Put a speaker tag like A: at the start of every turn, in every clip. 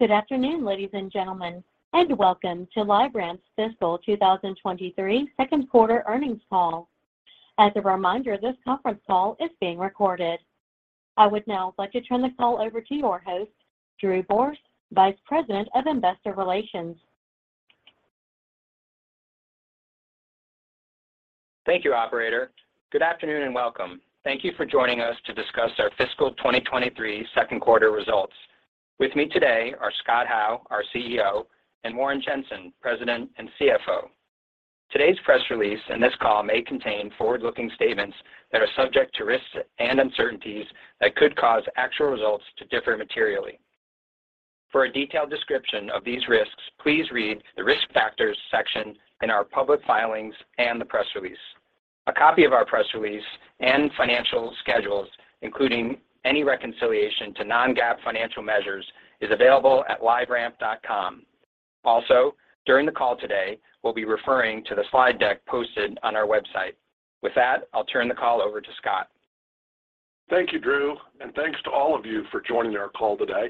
A: Good afternoon, ladies and gentlemen, and welcome to LiveRamp's fiscal 2023 second quarter earnings call. As a reminder, this conference call is being recorded. I would now like to turn the call over to your host, Drew Borst, Vice President of Investor Relations.
B: Thank you, operator. Good afternoon, and welcome. Thank you for joining us to discuss our fiscal 2023 second quarter results. With me today are Scott Howe, our CEO, and Warren Jenson, President and CFO. Today's press release and this call may contain forward-looking statements that are subject to risks and uncertainties that could cause actual results to differ materially. For a detailed description of these risks, please read the Risk Factors section in our public filings and the press release. A copy of our press release and financial schedules, including any reconciliation to non-GAAP financial measures, is available at liveramp.com. Also, during the call today, we'll be referring to the slide deck posted on our website. With that, I'll turn the call over to Scott.
C: Thank you, Drew, and thanks to all of you for joining our call today.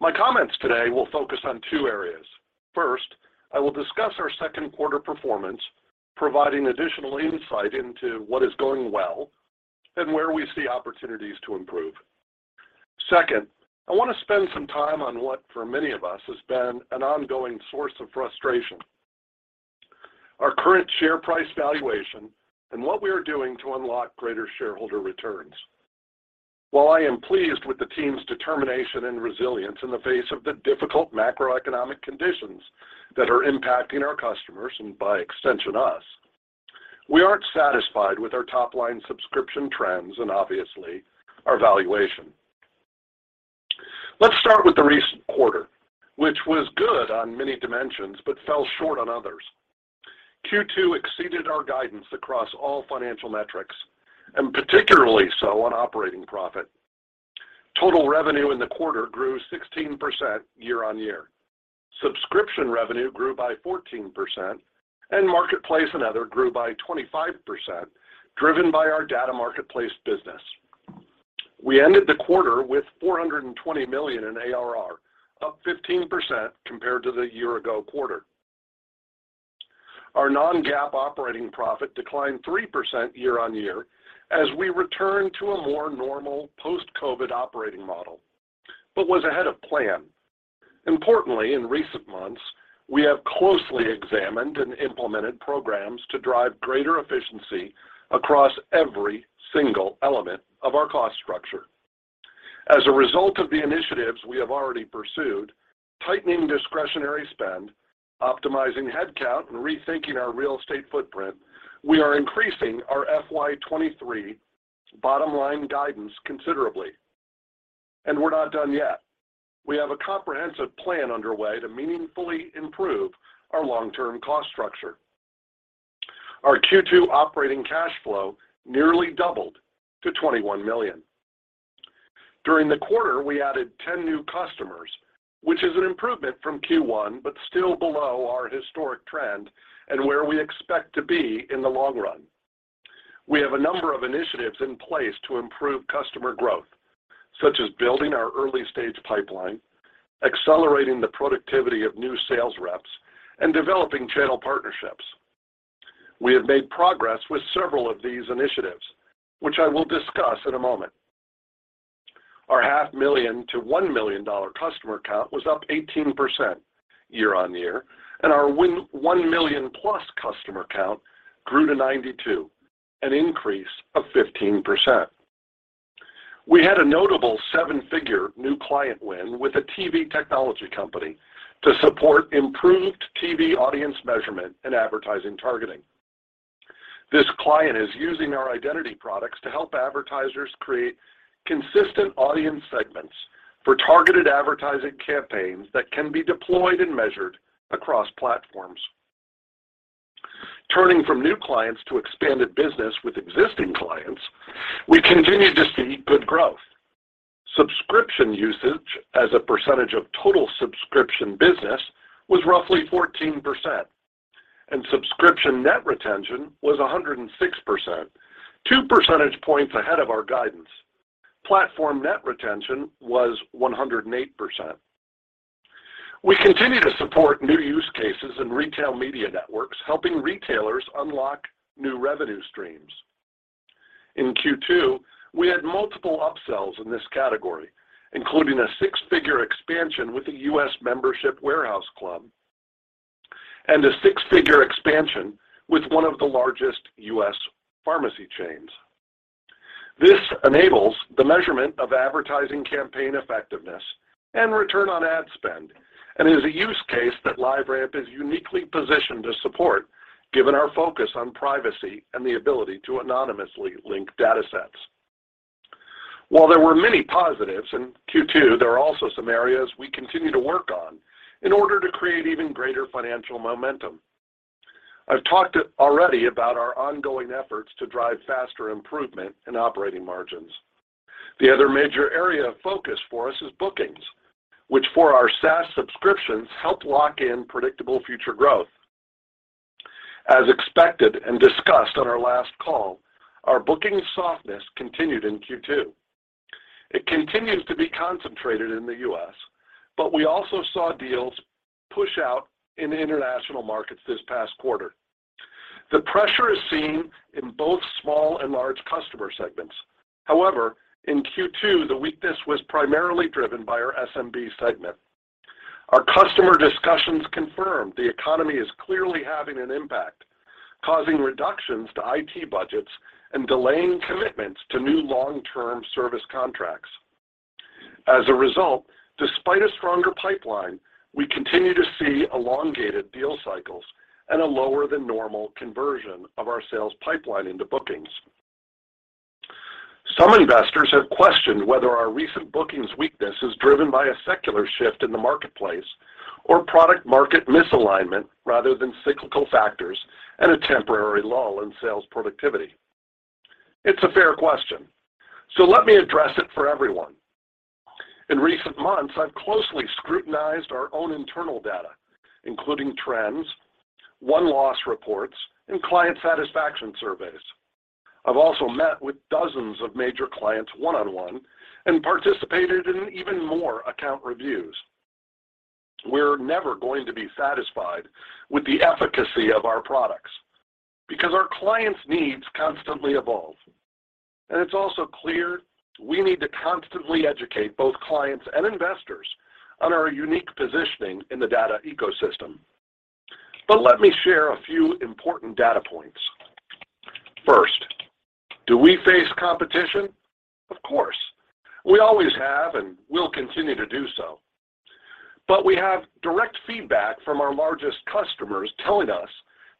C: My comments today will focus on two areas. First, I will discuss our second quarter performance, providing additional insight into what is going well and where we see opportunities to improve. Second, I wanna spend some time on what, for many of us, has been an ongoing source of frustration, our current share price valuation and what we are doing to unlock greater shareholder returns. While I am pleased with the team's determination and resilience in the face of the difficult macroeconomic conditions that are impacting our customers, and by extension us, we aren't satisfied with our top-line subscription trends and obviously our valuation. Let's start with the recent quarter, which was good on many dimensions but fell short on others. Q2 exceeded our guidance across all financial metrics, and particularly so on operating profit. Total revenue in the quarter grew 16% year-on-year. Subscription revenue grew by 14%, and marketplace and other grew by 25%, driven by our data marketplace business. We ended the quarter with $420 million in ARR, up 15% compared to the year ago quarter. Our non-GAAP operating profit declined 3% year-on-year as we return to a more normal post-COVID operating model, but was ahead of plan. Importantly, in recent months, we have closely examined and implemented programs to drive greater efficiency across every single element of our cost structure. As a result of the initiatives we have already pursued, tightening discretionary spend, optimizing headcount, and rethinking our real estate footprint, we are increasing our FY 2023 bottom-line guidance considerably, and we're not done yet. We have a comprehensive plan underway to meaningfully improve our long-term cost structure. Our Q2 operating cash flow nearly doubled to $21 million. During the quarter, we added 10 new customers, which is an improvement from Q1, but still below our historic trend and where we expect to be in the long run. We have a number of initiatives in place to improve customer growth, such as building our early-stage pipeline, accelerating the productivity of new sales reps, and developing channel partnerships. We have made progress with several of these initiatives, which I will discuss in a moment. Our $500,000-$1 million customer count was up 18% year-on-year, and our $1 million-plus customer count grew to 92, an increase of 15%. We had a notable seven-figure new client win with a TV technology company to support improved TV audience measurement and advertising targeting. This client is using our identity products to help advertisers create consistent audience segments for targeted advertising campaigns that can be deployed and measured across platforms. Turning from new clients to expanded business with existing clients, we continue to see good growth. Subscription usage as a percentage of total subscription business was roughly 14%, and subscription net retention was 106%, two percentage points ahead of our guidance. Platform net retention was 108%. We continue to support new use cases in retail media networks, helping retailers unlock new revenue streams. In Q2, we had multiple upsells in this category, including a six-figure expansion with the US Membership Warehouse Club and a six-figure expansion with one of the largest US pharmacy chains. This enables the measurement of advertising campaign effectiveness and return on ad spend, and it is a use case that LiveRamp is uniquely positioned to support given our focus on privacy and the ability to anonymously link datasets. While there were many positives in Q2, there are also some areas we continue to work on in order to create even greater financial momentum. I've talked already about our ongoing efforts to drive faster improvement in operating margins. The other major area of focus for us is bookings, which for our SaaS subscriptions help lock in predictable future growth. As expected and discussed on our last call, our booking softness continued in Q2. It continues to be concentrated in the US, but we also saw deals push out in the international markets this past quarter. The pressure is seen in both small and large customer segments. However, in Q2, the weakness was primarily driven by our SMB segment. Our customer discussions confirmed the economy is clearly having an impact, causing reductions to IT budgets and delaying commitments to new long-term service contracts. As a result, despite a stronger pipeline, we continue to see elongated deal cycles and a lower than normal conversion of our sales pipeline into bookings. Some investors have questioned whether our recent bookings weakness is driven by a secular shift in the marketplace or product market misalignment rather than cyclical factors and a temporary lull in sales productivity. It's a fair question, so let me address it for everyone. In recent months, I've closely scrutinized our own internal data, including trends, won-loss reports, and client satisfaction surveys. I've also met with dozens of major clients one-on-one and participated in even more account reviews. We're never going to be satisfied with the efficacy of our products because our clients' needs constantly evolve. It's also clear we need to constantly educate both clients and investors on our unique positioning in the data ecosystem. Let me share a few important data points. First, do we face competition? Of course. We always have and will continue to do so. We have direct feedback from our largest customers telling us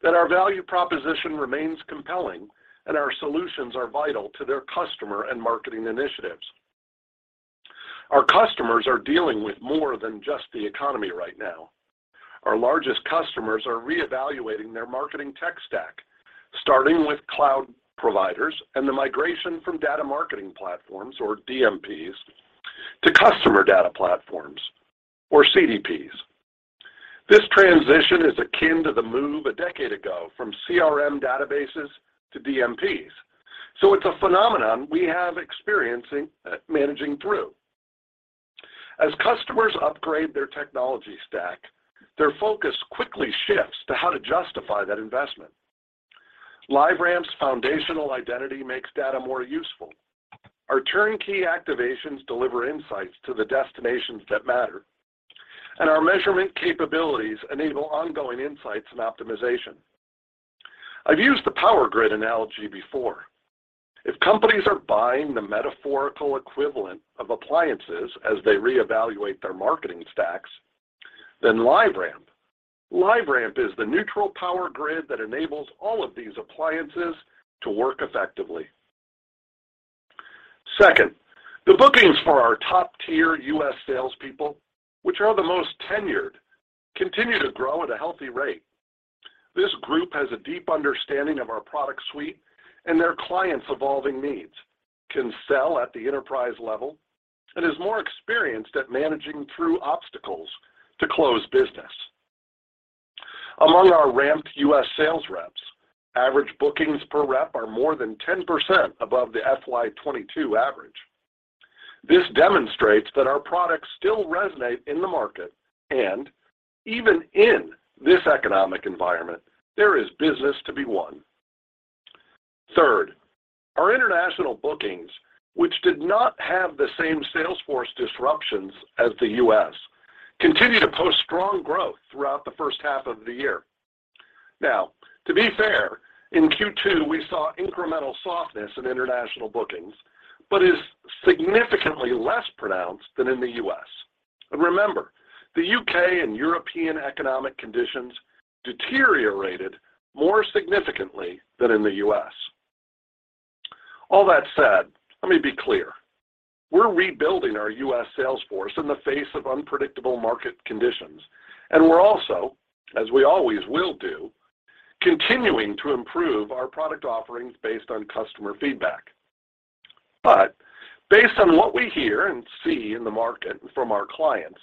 C: that our value proposition remains compelling, and our solutions are vital to their customer and marketing initiatives. Our customers are dealing with more than just the economy right now. Our largest customers are reevaluating their marketing tech stack, starting with cloud providers and the migration from data management platforms, or DMPs, to customer data platforms, or CDPs. This transition is akin to the move a decade ago from CRM databases to DMPs. It's a phenomenon we've been experiencing, managing through. As customers upgrade their technology stack, their focus quickly shifts to how to justify that investment. LiveRamp's foundational identity makes data more useful. Our turnkey activations deliver insights to the destinations that matter, and our measurement capabilities enable ongoing insights and optimization. I've used the power grid analogy before. If companies are buying the metaphorical equivalent of appliances as they reevaluate their marketing stacks, then LiveRamp is the neutral power grid that enables all of these appliances to work effectively. Second, the bookings for our top-tier US salespeople, which are the most tenured, continue to grow at a healthy rate. This group has a deep understanding of our product suite and their clients' evolving needs, can sell at the enterprise level, and is more experienced at managing through obstacles to close business. Among our ramped U.S. sales reps, average bookings per rep are more than 10% above the FY 2022 average. This demonstrates that our products still resonate in the market, and even in this economic environment, there is business to be won. Third, our international bookings, which did not have the same sales force disruptions as the U.S., continue to post strong growth throughout the first half of the year. Now, to be fair, in Q2, we saw incremental softness in international bookings, but is significantly less pronounced than in the U.S. Remember, the U.K. and European economic conditions deteriorated more significantly than in the U.S. All that said, let me be clear. We're rebuilding our U.S. sales force in the face of unpredictable market conditions, and we're also, as we always will do, continuing to improve our product offerings based on customer feedback. Based on what we hear and see in the market from our clients,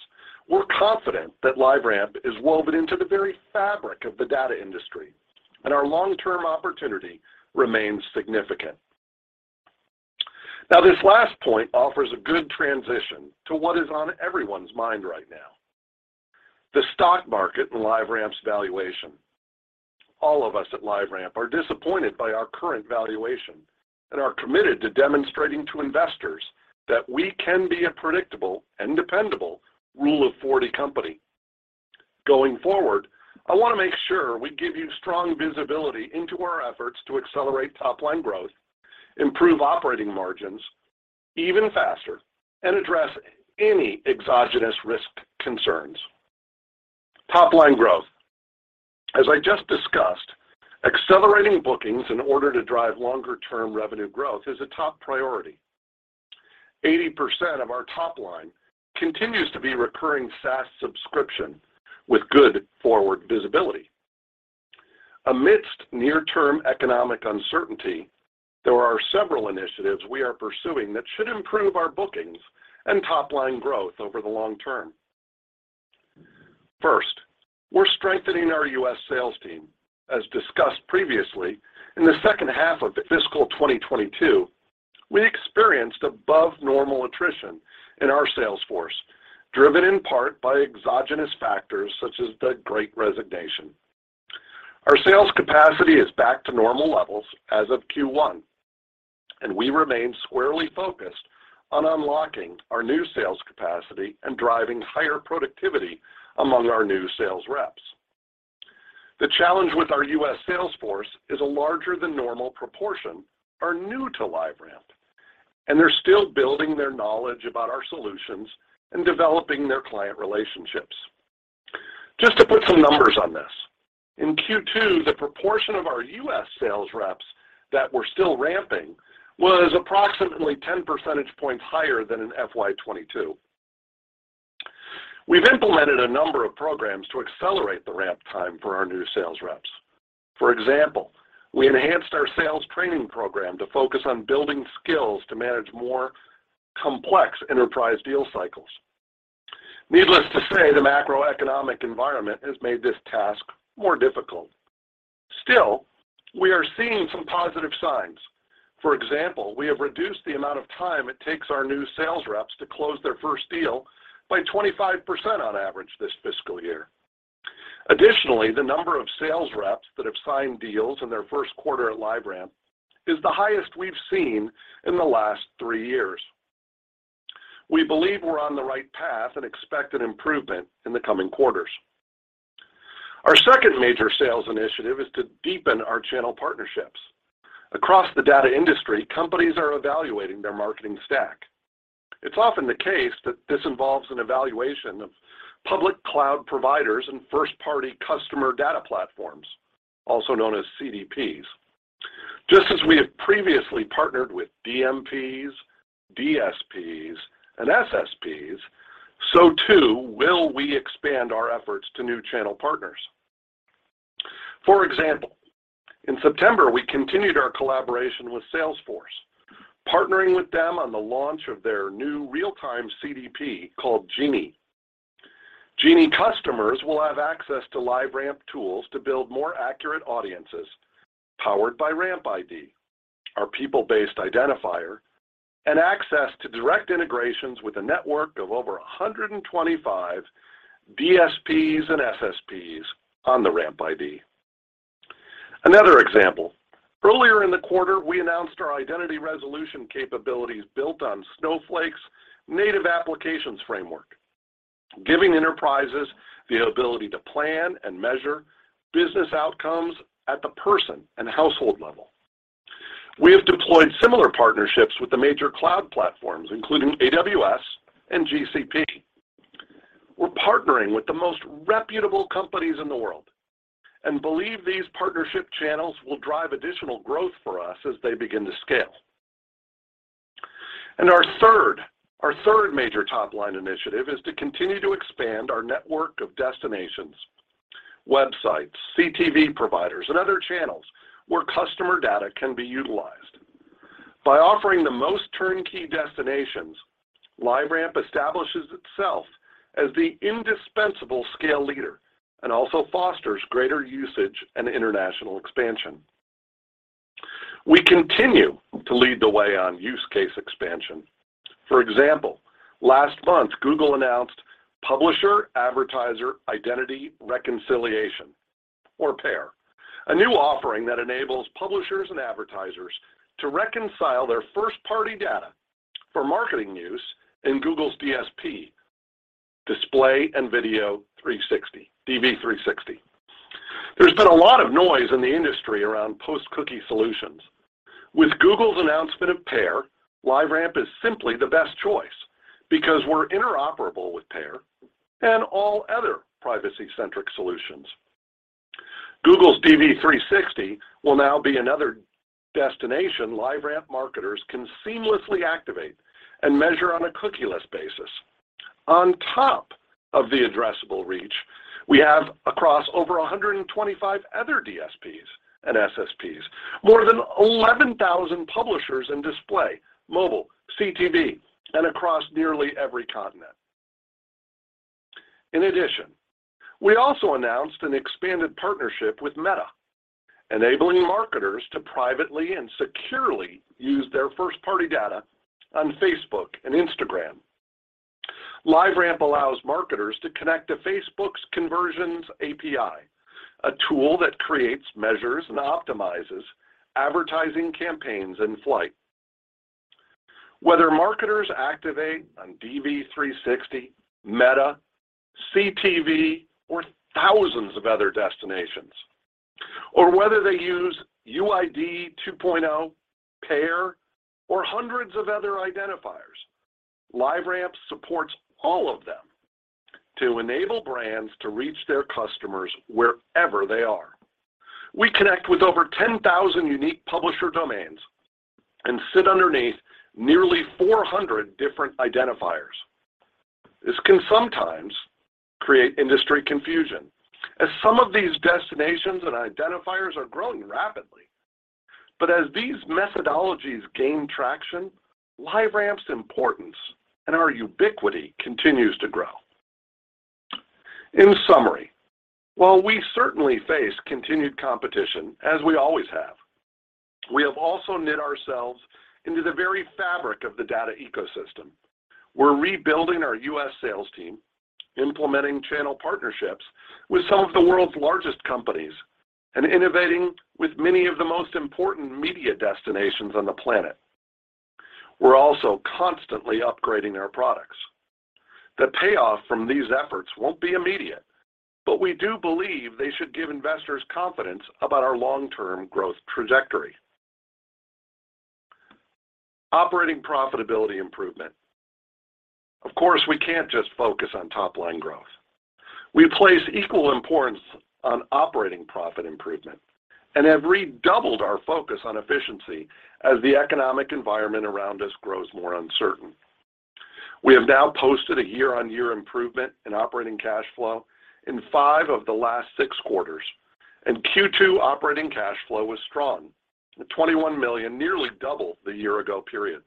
C: we're confident that LiveRamp is woven into the very fabric of the data industry, and our long-term opportunity remains significant. Now, this last point offers a good transition to what is on everyone's mind right now, the stock market and LiveRamp's valuation. All of us at LiveRamp are disappointed by our current valuation and are committed to demonstrating to investors that we can be a predictable and dependable Rule of 40 company. Going forward, I wanna make sure we give you strong visibility into our efforts to accelerate top-line growth, improve operating margins even faster, and address any exogenous risk concerns. Top-line growth. As I just discussed, accelerating bookings in order to drive longer-term revenue growth is a top priority. 80% of our top line continues to be recurring SaaS subscription with good forward visibility. Amidst near-term economic uncertainty, there are several initiatives we are pursuing that should improve our bookings and top-line growth over the long term. First, we're strengthening our U.S. sales team. As discussed previously, in the second half of the fiscal 2022, we experienced above normal attrition in our sales force, driven in part by exogenous factors such as the great resignation. Our sales capacity is back to normal levels as of Q1, and we remain squarely focused on unlocking our new sales capacity and driving higher productivity among our new sales reps. The challenge with our U.S. sales force is a larger than normal proportion are new to LiveRamp, and they're still building their knowledge about our solutions and developing their client relationships. Just to put some numbers on this, in Q2, the proportion of our U.S. sales reps that were still ramping was approximately 10 percentage points higher than in FY 2022. We've implemented a number of programs to accelerate the ramp time for our new sales reps. For example, we enhanced our sales training program to focus on building skills to manage more complex enterprise deal cycles. Needless to say, the macroeconomic environment has made this task more difficult. Still, we are seeing some positive signs. For example, we have reduced the amount of time it takes our new sales reps to close their first deal by 25% on average this fiscal year. Additionally, the number of sales reps that have signed deals in their first quarter at LiveRamp is the highest we've seen in the last three years. We believe we're on the right path and expect an improvement in the coming quarters. Our second major sales initiative is to deepen our channel partnerships. Across the data industry, companies are evaluating their marketing stack. It's often the case that this involves an evaluation of public cloud providers and first-party customer data platforms, also known as CDPs. Just as we have previously partnered with DMPs, DSPs, and SSPs, so too will we expand our efforts to new channel partners. For example, in September, we continued our collaboration with Salesforce, partnering with them on the launch of their new real-time CDP called Genie. Genie customers will have access to LiveRamp tools to build more accurate audiences powered by RampID, our people-based identifier, and access to direct integrations with a network of over 125 DSPs and SSPs on the RampID. Another example, earlier in the quarter, we announced our identity resolution capabilities built on Snowflake's native applications framework, giving enterprises the ability to plan and measure business outcomes at the person and household level. We have deployed similar partnerships with the major cloud platforms, including AWS and GCP. We're partnering with the most reputable companies in the world and believe these partnership channels will drive additional growth for us as they begin to scale. Our third major top-line initiative is to continue to expand our network of destinations, websites, CTV providers, and other channels where customer data can be utilized. By offering the most turnkey destinations, LiveRamp establishes itself as the indispensable scale leader and also fosters greater usage and international expansion. We continue to lead the way on use case expansion. For example, last month, Google announced Publisher Advertiser Identity Reconciliation, or PAIR, a new offering that enables publishers and advertisers to reconcile their first-party data for marketing use in Google's DSP, Display & Video 360, DV360. There's been a lot of noise in the industry around post-cookie solutions. With Google's announcement of PAIR, LiveRamp is simply the best choice because we're interoperable with PAIR and all other privacy-centric solutions. Google's DV360 will now be another destination LiveRamp marketers can seamlessly activate and measure on a cookieless basis. On top of the addressable reach we have across over 125 other DSPs and SSPs, more than 11,000 publishers in display, mobile, CTV, and across nearly every continent. In addition, we also announced an expanded partnership with Meta, enabling marketers to privately and securely use their first-party data on Facebook and Instagram. LiveRamp allows marketers to connect to Facebook's Conversions API, a tool that creates, measures, and optimizes advertising campaigns in flight. Whether marketers activate on DV360, Meta, CTV, or thousands of other destinations, or whether they use UID 2.0, PAIR, or hundreds of other identifiers, LiveRamp supports all of them to enable brands to reach their customers wherever they are. We connect with over 10,000 unique publisher domains and sit underneath nearly 400 different identifiers. This can sometimes create industry confusion as some of these destinations and identifiers are growing rapidly. As these methodologies gain traction, LiveRamp's importance and our ubiquity continues to grow. In summary, while we certainly face continued competition, as we always have, we have also knit ourselves into the very fabric of the data ecosystem. We're rebuilding our U.S. sales team, implementing channel partnerships with some of the world's largest companies, and innovating with many of the most important media destinations on the planet. We're also constantly upgrading our products. The payoff from these efforts won't be immediate, but we do believe they should give investors confidence about our long-term growth trajectory. Operating profitability improvement. Of course, we can't just focus on top-line growth. We place equal importance on operating profit improvement and have redoubled our focus on efficiency as the economic environment around us grows more uncertain. We have now posted a year-on-year improvement in operating cash flow in five of the last six quarters, and Q2 operating cash flow was strong. $21 million, nearly double the year ago period.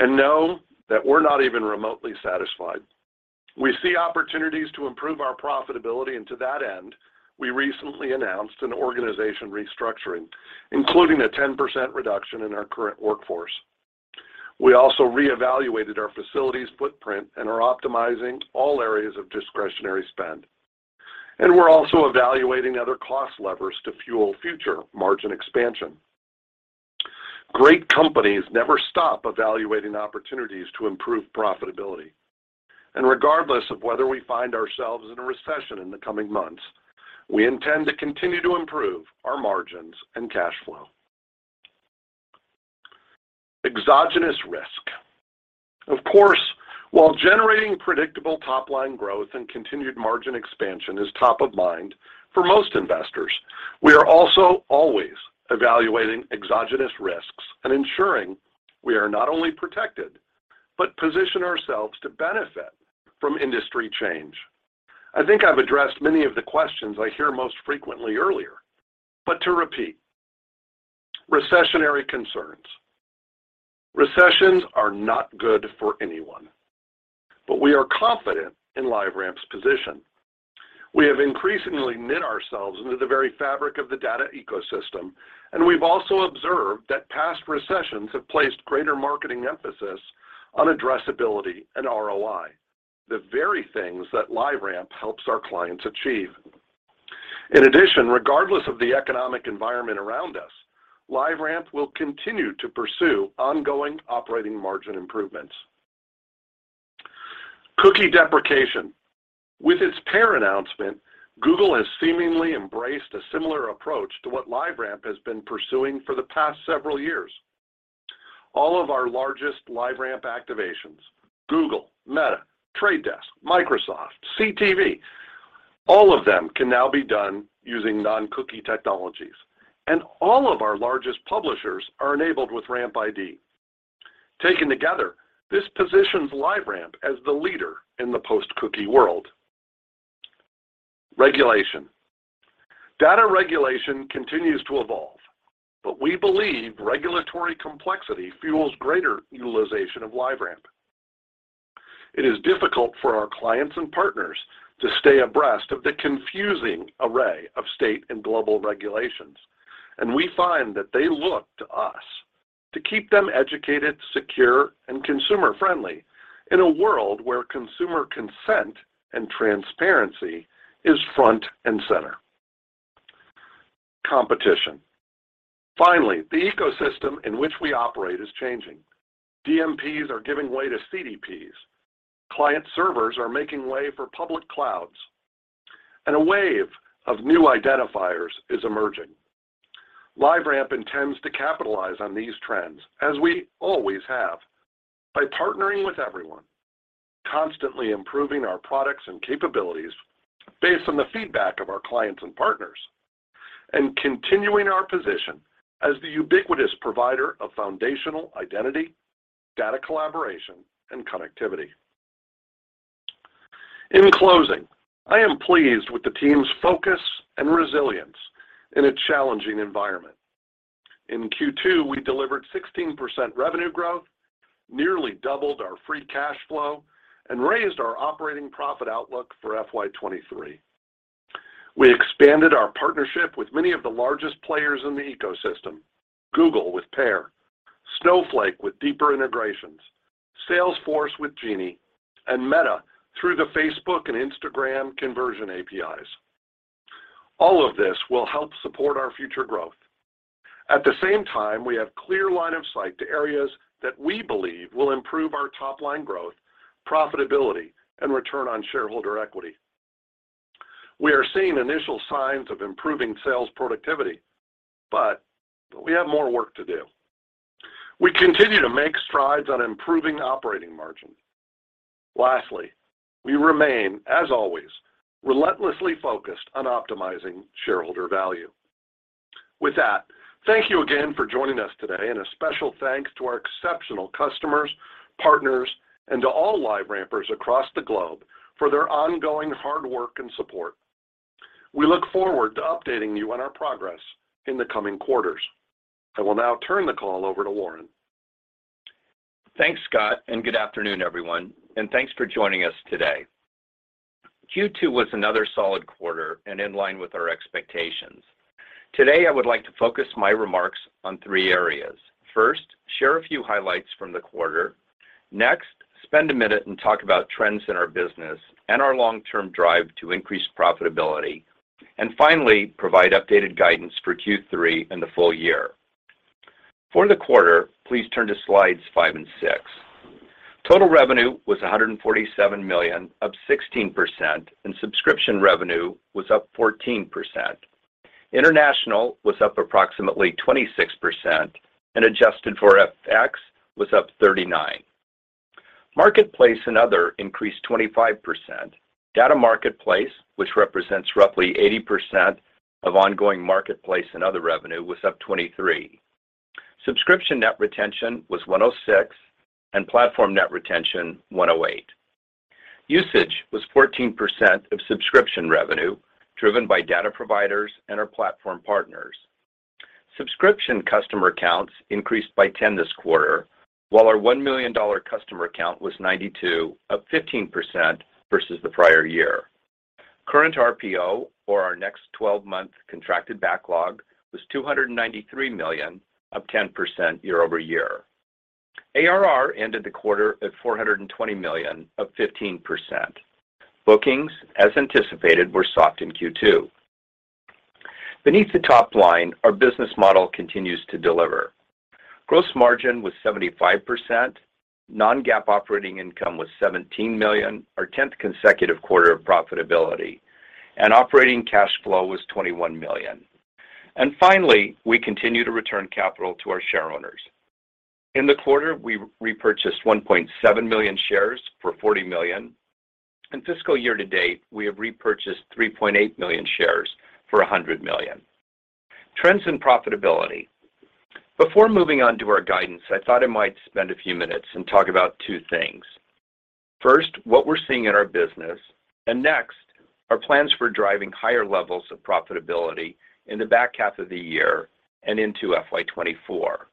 C: Know that we're not even remotely satisfied. We see opportunities to improve our profitability, and to that end, we recently announced an organizational restructuring, including a 10% reduction in our current workforce. We also reevaluated our facilities footprint and are optimizing all areas of discretionary spend. We're also evaluating other cost levers to fuel future margin expansion. Great companies never stop evaluating opportunities to improve profitability. Regardless of whether we find ourselves in a recession in the coming months, we intend to continue to improve our margins and cash flow. Exogenous risk. Of course, while generating predictable top-line growth and continued margin expansion is top of mind for most investors, we are also always evaluating exogenous risks and ensuring we are not only protected, but position ourselves to benefit from industry change. I think I've addressed many of the questions I hear most frequently earlier, but to repeat. Recessionary concerns. Recessions are not good for anyone, but we are confident in LiveRamp's position. We have increasingly knit ourselves into the very fabric of the data ecosystem, and we've also observed that past recessions have placed greater marketing emphasis on addressability and ROI, the very things that LiveRamp helps our clients achieve. In addition, regardless of the economic environment around us, LiveRamp will continue to pursue ongoing operating margin improvements. Cookie deprecation. With its PAIR announcement, Google has seemingly embraced a similar approach to what LiveRamp has been pursuing for the past several years. All of our largest LiveRamp activations, Google, Meta, Trade Desk, Microsoft, CTV, all of them can now be done using non-cookie technologies, and all of our largest publishers are enabled with RampID. Taken together, this positions LiveRamp as the leader in the post-cookie world. Regulation. Data regulation continues to evolve, but we believe regulatory complexity fuels greater utilization of LiveRamp. It is difficult for our clients and partners to stay abreast of the confusing array of state and global regulations, and we find that they look to us to keep them educated, secure, and consumer-friendly in a world where consumer consent and transparency is front and center. Competition. Finally, the ecosystem in which we operate is changing. DMPs are giving way to CDPs. Client servers are making way for public clouds. A wave of new identifiers is emerging. LiveRamp intends to capitalize on these trends, as we always have, by partnering with everyone, constantly improving our products and capabilities based on the feedback of our clients and partners, and continuing our position as the ubiquitous provider of foundational identity, data collaboration, and connectivity. In closing, I am pleased with the team's focus and resilience in a challenging environment. In Q2, we delivered 16% revenue growth, nearly doubled our free cash flow, and raised our operating profit outlook for FY 2023. We expanded our partnership with many of the largest players in the ecosystem, Google with PAIR, Snowflake with deeper integrations, Salesforce with Genie, and Meta through the Facebook and Instagram Conversions API. All of this will help support our future growth. At the same time, we have clear line of sight to areas that we believe will improve our top-line growth, profitability, and return on shareholder equity. We are seeing initial signs of improving sales productivity, but we have more work to do. We continue to make strides on improving operating margin. Lastly, we remain, as always, relentlessly focused on optimizing shareholder value. With that, thank you again. A special thanks to our exceptional customers, partners, and to all LiveRampers across the globe for their ongoing hard work and support. We look forward to updating you on our progress in the coming quarters. I will now turn the call over to Warren.
D: Thanks, Scott, and good afternoon, everyone, and thanks for joining us today. Q2 was another solid quarter and in line with our expectations. Today, I would like to focus my remarks on three areas. First, share a few highlights from the quarter. Next, spend a minute and talk about trends in our business and our long-term drive to increase profitability. Finally, provide updated guidance for Q3 and the full year. For the quarter, please turn to slides 5 and 6. Total revenue was $147 million, up 16%, and subscription revenue was up 14%. International was up approximately 26%, and adjusted for FX, was up 39%. Marketplace and other increased 25%. Data Marketplace, which represents roughly 80% of ongoing marketplace and other revenue, was up 23%. Subscription net retention was 106%, and platform net retention, 108%. Usage was 14% of subscription revenue, driven by data providers and our platform partners. Subscription customer accounts increased by 10 this quarter, while our $1 million customer accounts were 92, up 15% versus the prior year. Current RPO, or our next twelve-month contracted backlog, was $293 million, up 10% year-over-year. ARR ended the quarter at $420 million, up 15%. Bookings, as anticipated, were soft in Q2. Beneath the top line, our business model continues to deliver. Gross margin was 75%. Non-GAAP operating income was $17 million, our 10th consecutive quarter of profitability. Operating cash flow was $21 million. Finally, we continue to return capital to our shareowners. In the quarter, we repurchased 1.7 million shares for $40 million. In fiscal year to date, we have repurchased 3.8 million shares for $100 million. Trends in profitability. Before moving on to our guidance, I thought I might spend a few minutes and talk about two things. First, what we're seeing in our business, and next, our plans for driving higher levels of profitability in the back half of the year and into FY 2024.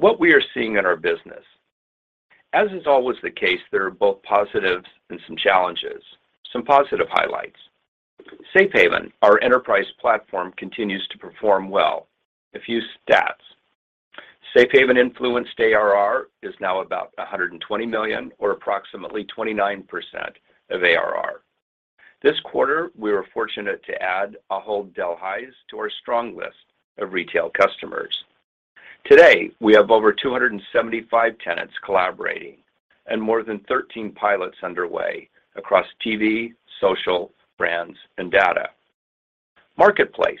D: What we are seeing in our business. As is always the case, there are both positives and some challenges. Some positive highlights. Safe Haven, our enterprise platform, continues to perform well. A few stats. Safe Haven influenced ARR is now about $120 million, or approximately 29% of ARR. This quarter, we were fortunate to add Ahold Delhaize to our strong list of retail customers. Today, we have over 275 tenants collaborating and more than 13 pilots underway across TV, social, brands, and Data Marketplace.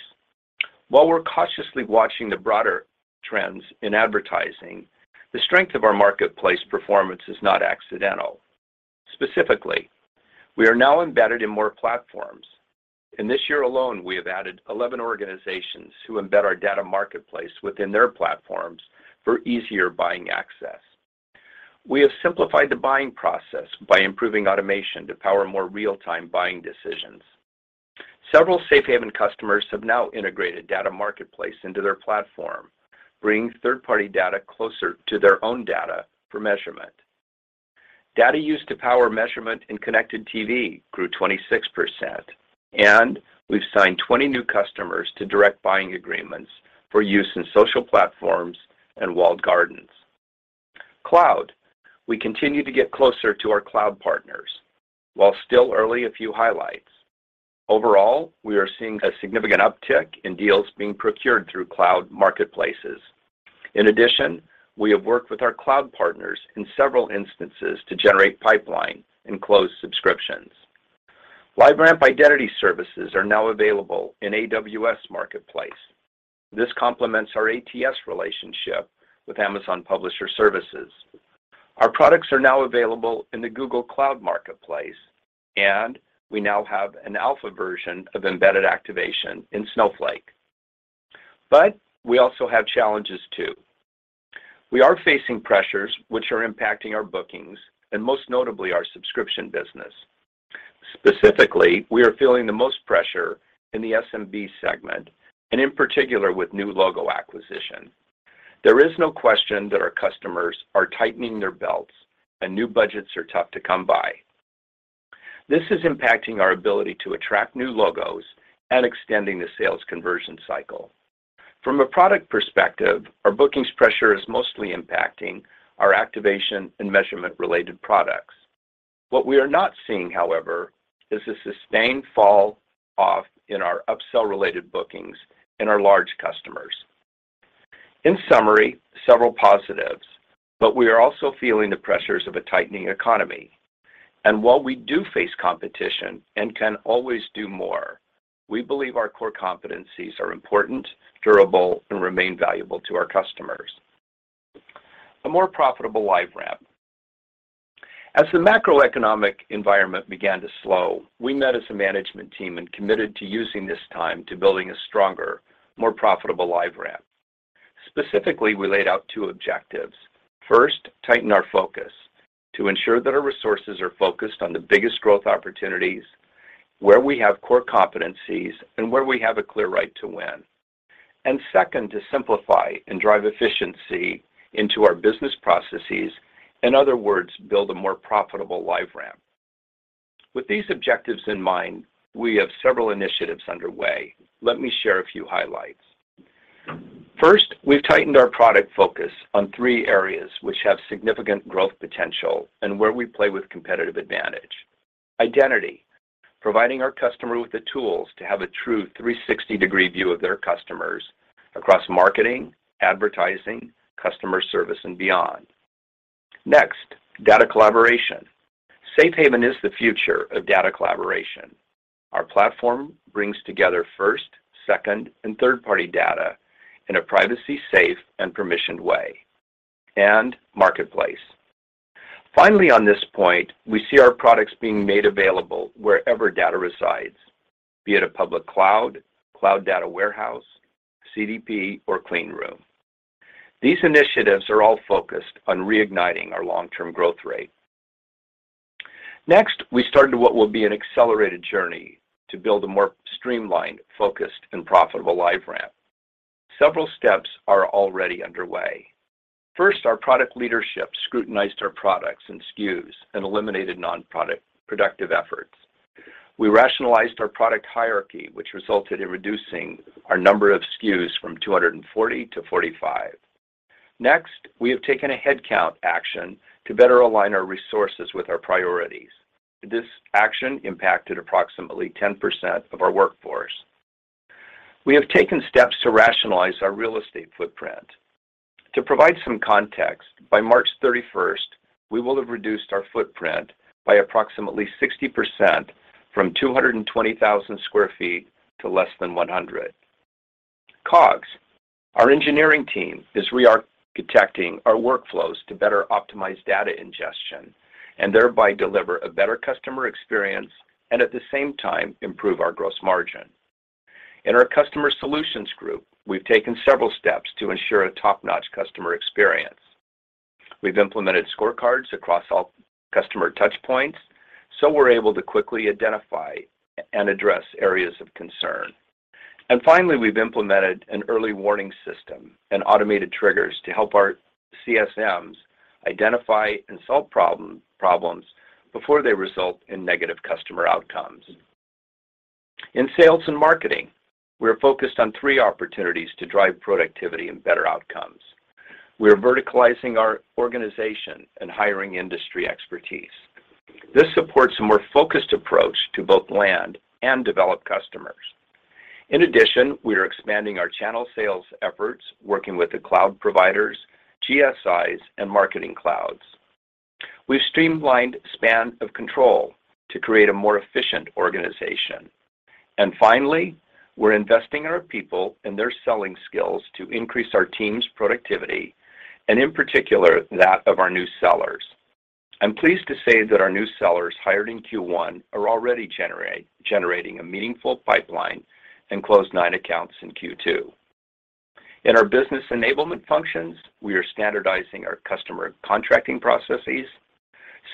D: While we're cautiously watching the broader trends in advertising, the strength of our marketplace performance is not accidental. Specifically, we are now embedded in more platforms. In this year alone, we have added 11 organizations who embed our Data Marketplace within their platforms for easier buying access. We have simplified the buying process by improving automation to power more real-time buying decisions. Several Safe Haven customers have now integrated Data Marketplace into their platform, bringing third-party data closer to their own data for measurement. Data used to power measurement in connected TV grew 26%, and we've signed 20 new customers to direct buying agreements for use in social platforms and walled gardens. Cloud. We continue to get closer to our cloud partners. While still early, a few highlights. Overall, we are seeing a significant uptick in deals being procured through cloud marketplaces. In addition, we have worked with our cloud partners in several instances to generate pipeline and close subscriptions. LiveRamp identity services are now available in AWS Marketplace. This complements our ATS relationship with Amazon Publisher Services. Our products are now available in the Google Cloud Marketplace, and we now have an alpha version of embedded activation in Snowflake. We also have challenges too. We are facing pressures which are impacting our bookings and most notably our subscription business. Specifically, we are feeling the most pressure in the SMB segment and in particular with new logo acquisition. There is no question that our customers are tightening their belts and new budgets are tough to come by. This is impacting our ability to attract new logos and extending the sales conversion cycle. From a product perspective, our bookings pressure is mostly impacting our activation and measurement-related products. What we are not seeing, however, is a sustained fall off in our upsell-related bookings in our large customers. In summary, several positives, but we are also feeling the pressures of a tightening economy. While we do face competition and can always do more, we believe our core competencies are important, durable, and remain valuable to our customers. A more profitable LiveRamp. As the macroeconomic environment began to slow, we met as a management team and committed to using this time to building a stronger, more profitable LiveRamp. Specifically, we laid out two objectives. First, tighten our focus to ensure that our resources are focused on the biggest growth opportunities where we have core competencies and where we have a clear right to win. Second, to simplify and drive efficiency into our business processes. In other words, build a more profitable LiveRamp. With these objectives in mind, we have several initiatives underway. Let me share a few highlights. First, we've tightened our product focus on three areas which have significant growth potential and where we play with competitive advantage. Identity, providing our customer with the tools to have a true 360-degree view of their customers across marketing, advertising, customer service, and beyond. Next, data collaboration. Safe Haven is the future of data collaboration. Our platform brings together first, second, and third-party data in a privacy, safe, and permissioned way. Marketplace. Finally, on this point, we see our products being made available wherever data resides, be it a public cloud data warehouse, CDP, or clean room. These initiatives are all focused on reigniting our long-term growth rate. Next, we start what will be an accelerated journey to build a more streamlined, focused, and profitable LiveRamp. Several steps are already underway. First, our product leadership scrutinized our products and SKUs and eliminated non-productive product efforts. We rationalized our product hierarchy, which resulted in reducing our number of SKUs from 240 to 45. Next, we have taken a headcount action to better align our resources with our priorities. This action impacted approximately 10% of our workforce. We have taken steps to rationalize our real estate footprint. To provide some context, by March 31, we will have reduced our footprint by approximately 60% from 220,000 sq ft to less than 100 sq ft. COGS. Our engineering team is re-architecting our workflows to better optimize data ingestion and thereby deliver a better customer experience and at the same time, improve our gross margin. In our customer solutions group, we've taken several steps to ensure a top-notch customer experience. We've implemented scorecards across all customer touch points, so we're able to quickly identify and address areas of concern. Finally, we've implemented an early warning system and automated triggers to help our CSMs identify and solve problems before they result in negative customer outcomes. In sales and marketing, we're focused on three opportunities to drive productivity and better outcomes. We are verticalizing our organization and hiring industry expertise. This supports a more focused approach to both land and develop customers. In addition, we are expanding our channel sales efforts, working with the cloud providers, GSIs, and marketing clouds. We've streamlined span of control to create a more efficient organization. Finally, we're investing in our people and their selling skills to increase our team's productivity, and in particular, that of our new sellers. I'm pleased to say that our new sellers hired in Q1 are already generating a meaningful pipeline and closed nine accounts in Q2. In our business enablement functions, we are standardizing our customer contracting processes,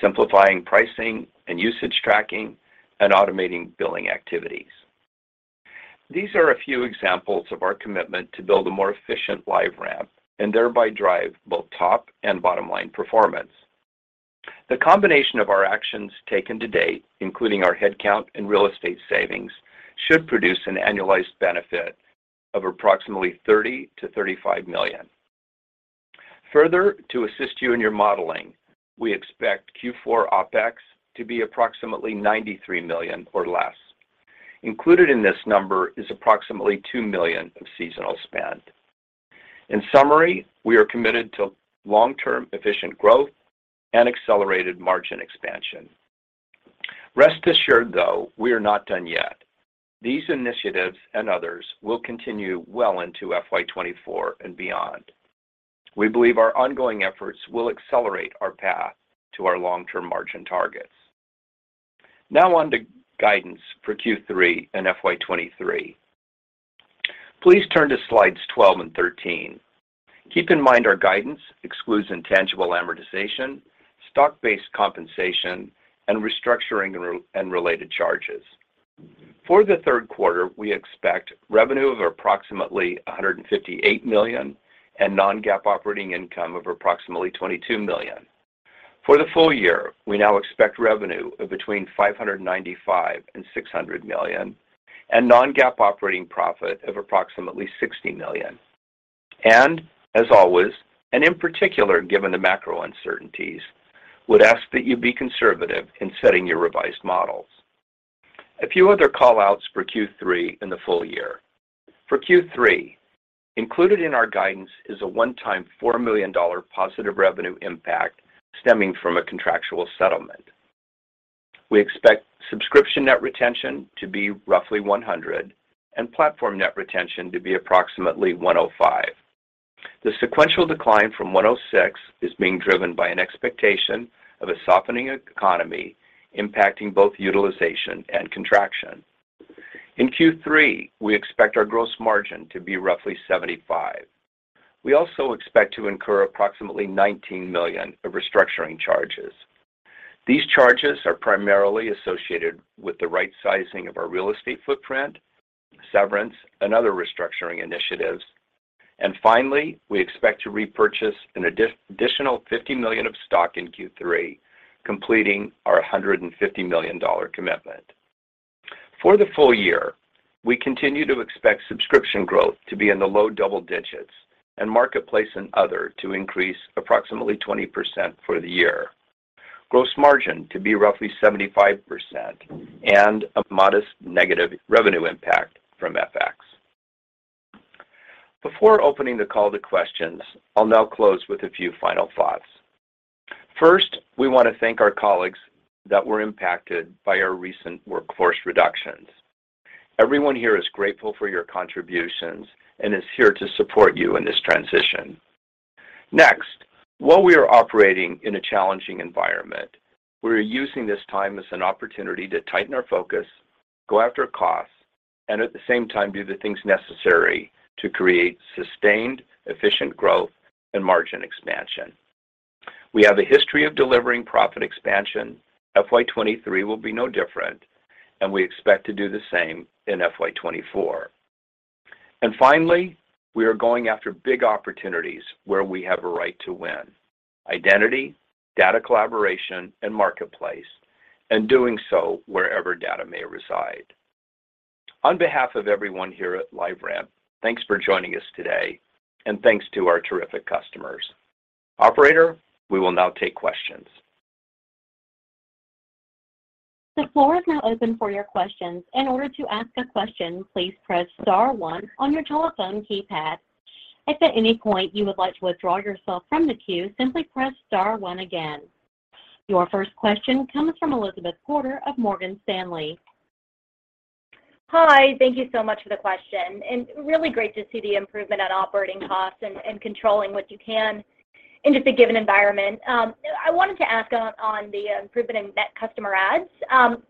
D: simplifying pricing and usage tracking, and automating billing activities. These are a few examples of our commitment to build a more efficient LiveRamp and thereby drive both top and bottom line performance. The combination of our actions taken to date, including our headcount and real estate savings, should produce an annualized benefit of approximately $30-$35 million. Further, to assist you in your modeling, we expect Q4 OpEx to be approximately $93 million or less. Included in this number is approximately $2 million of seasonal spend. In summary, we are committed to long-term efficient growth and accelerated margin expansion. Rest assured, though, we are not done yet. These initiatives and others will continue well into FY 2024 and beyond. We believe our ongoing efforts will accelerate our path to our long-term margin targets. Now on to guidance for Q3 and FY 2023. Please turn to slides 12 and 13. Keep in mind our guidance excludes intangible amortization, stock-based compensation, and restructuring and related charges. For the third quarter, we expect revenue of approximately $158 million and non-GAAP operating income of approximately $22 million. For the full year, we now expect revenue of between $595 million and $600 million and non-GAAP operating profit of approximately $60 million. As always, and in particular, given the macro uncertainties, would ask that you be conservative in setting your revised models. A few other call-outs for Q3 in the full year. For Q3, included in our guidance is a one-time $4 million positive revenue impact stemming from a contractual settlement. We expect subscription net retention to be roughly 100%, and platform net retention to be approximately 105%. The sequential decline from 106% is being driven by an expectation of a softening economy impacting both utilization and contraction. In Q3, we expect our gross margin to be roughly 75%. We also expect to incur approximately $19 million of restructuring charges. These charges are primarily associated with the right sizing of our real estate footprint, severance, and other restructuring initiatives. Finally, we expect to repurchase an additional $50 million of stock in Q3, completing our $150 million commitment. For the full year, we continue to expect subscription growth to be in the low double digits and marketplace and other to increase approximately 20% for the year. Gross margin to be roughly 75% and a modest negative revenue impact from FX. Before opening the call to questions, I'll now close with a few final thoughts. First, we want to thank our colleagues that were impacted by our recent workforce reductions. Everyone here is grateful for your contributions and is here to support you in this transition. Next, while we are operating in a challenging environment, we are using this time as an opportunity to tighten our focus, go after costs, and at the same time, do the things necessary to create sustained, efficient growth and margin expansion. We have a history of delivering profit expansion. FY 2023 will be no different, and we expect to do the same in FY 2024. Finally, we are going after big opportunities where we have a right to win. Identity, data collaboration, and marketplace, and doing so wherever data may reside. On behalf of everyone here at LiveRamp, thanks for joining us today and thanks to our terrific customers. Operator, we will now take questions.
A: The floor is now open for your questions. In order to ask a question, please press star one on your telephone keypad. If at any point you would like to withdraw yourself from the queue, simply press star one again. Your first question comes from Elizabeth Porter of Morgan Stanley.
E: Hi. Thank you so much for the question and really great to see the improvement on operating costs and controlling what you can in just a given environment. I wanted to ask on the improvement in net customer adds.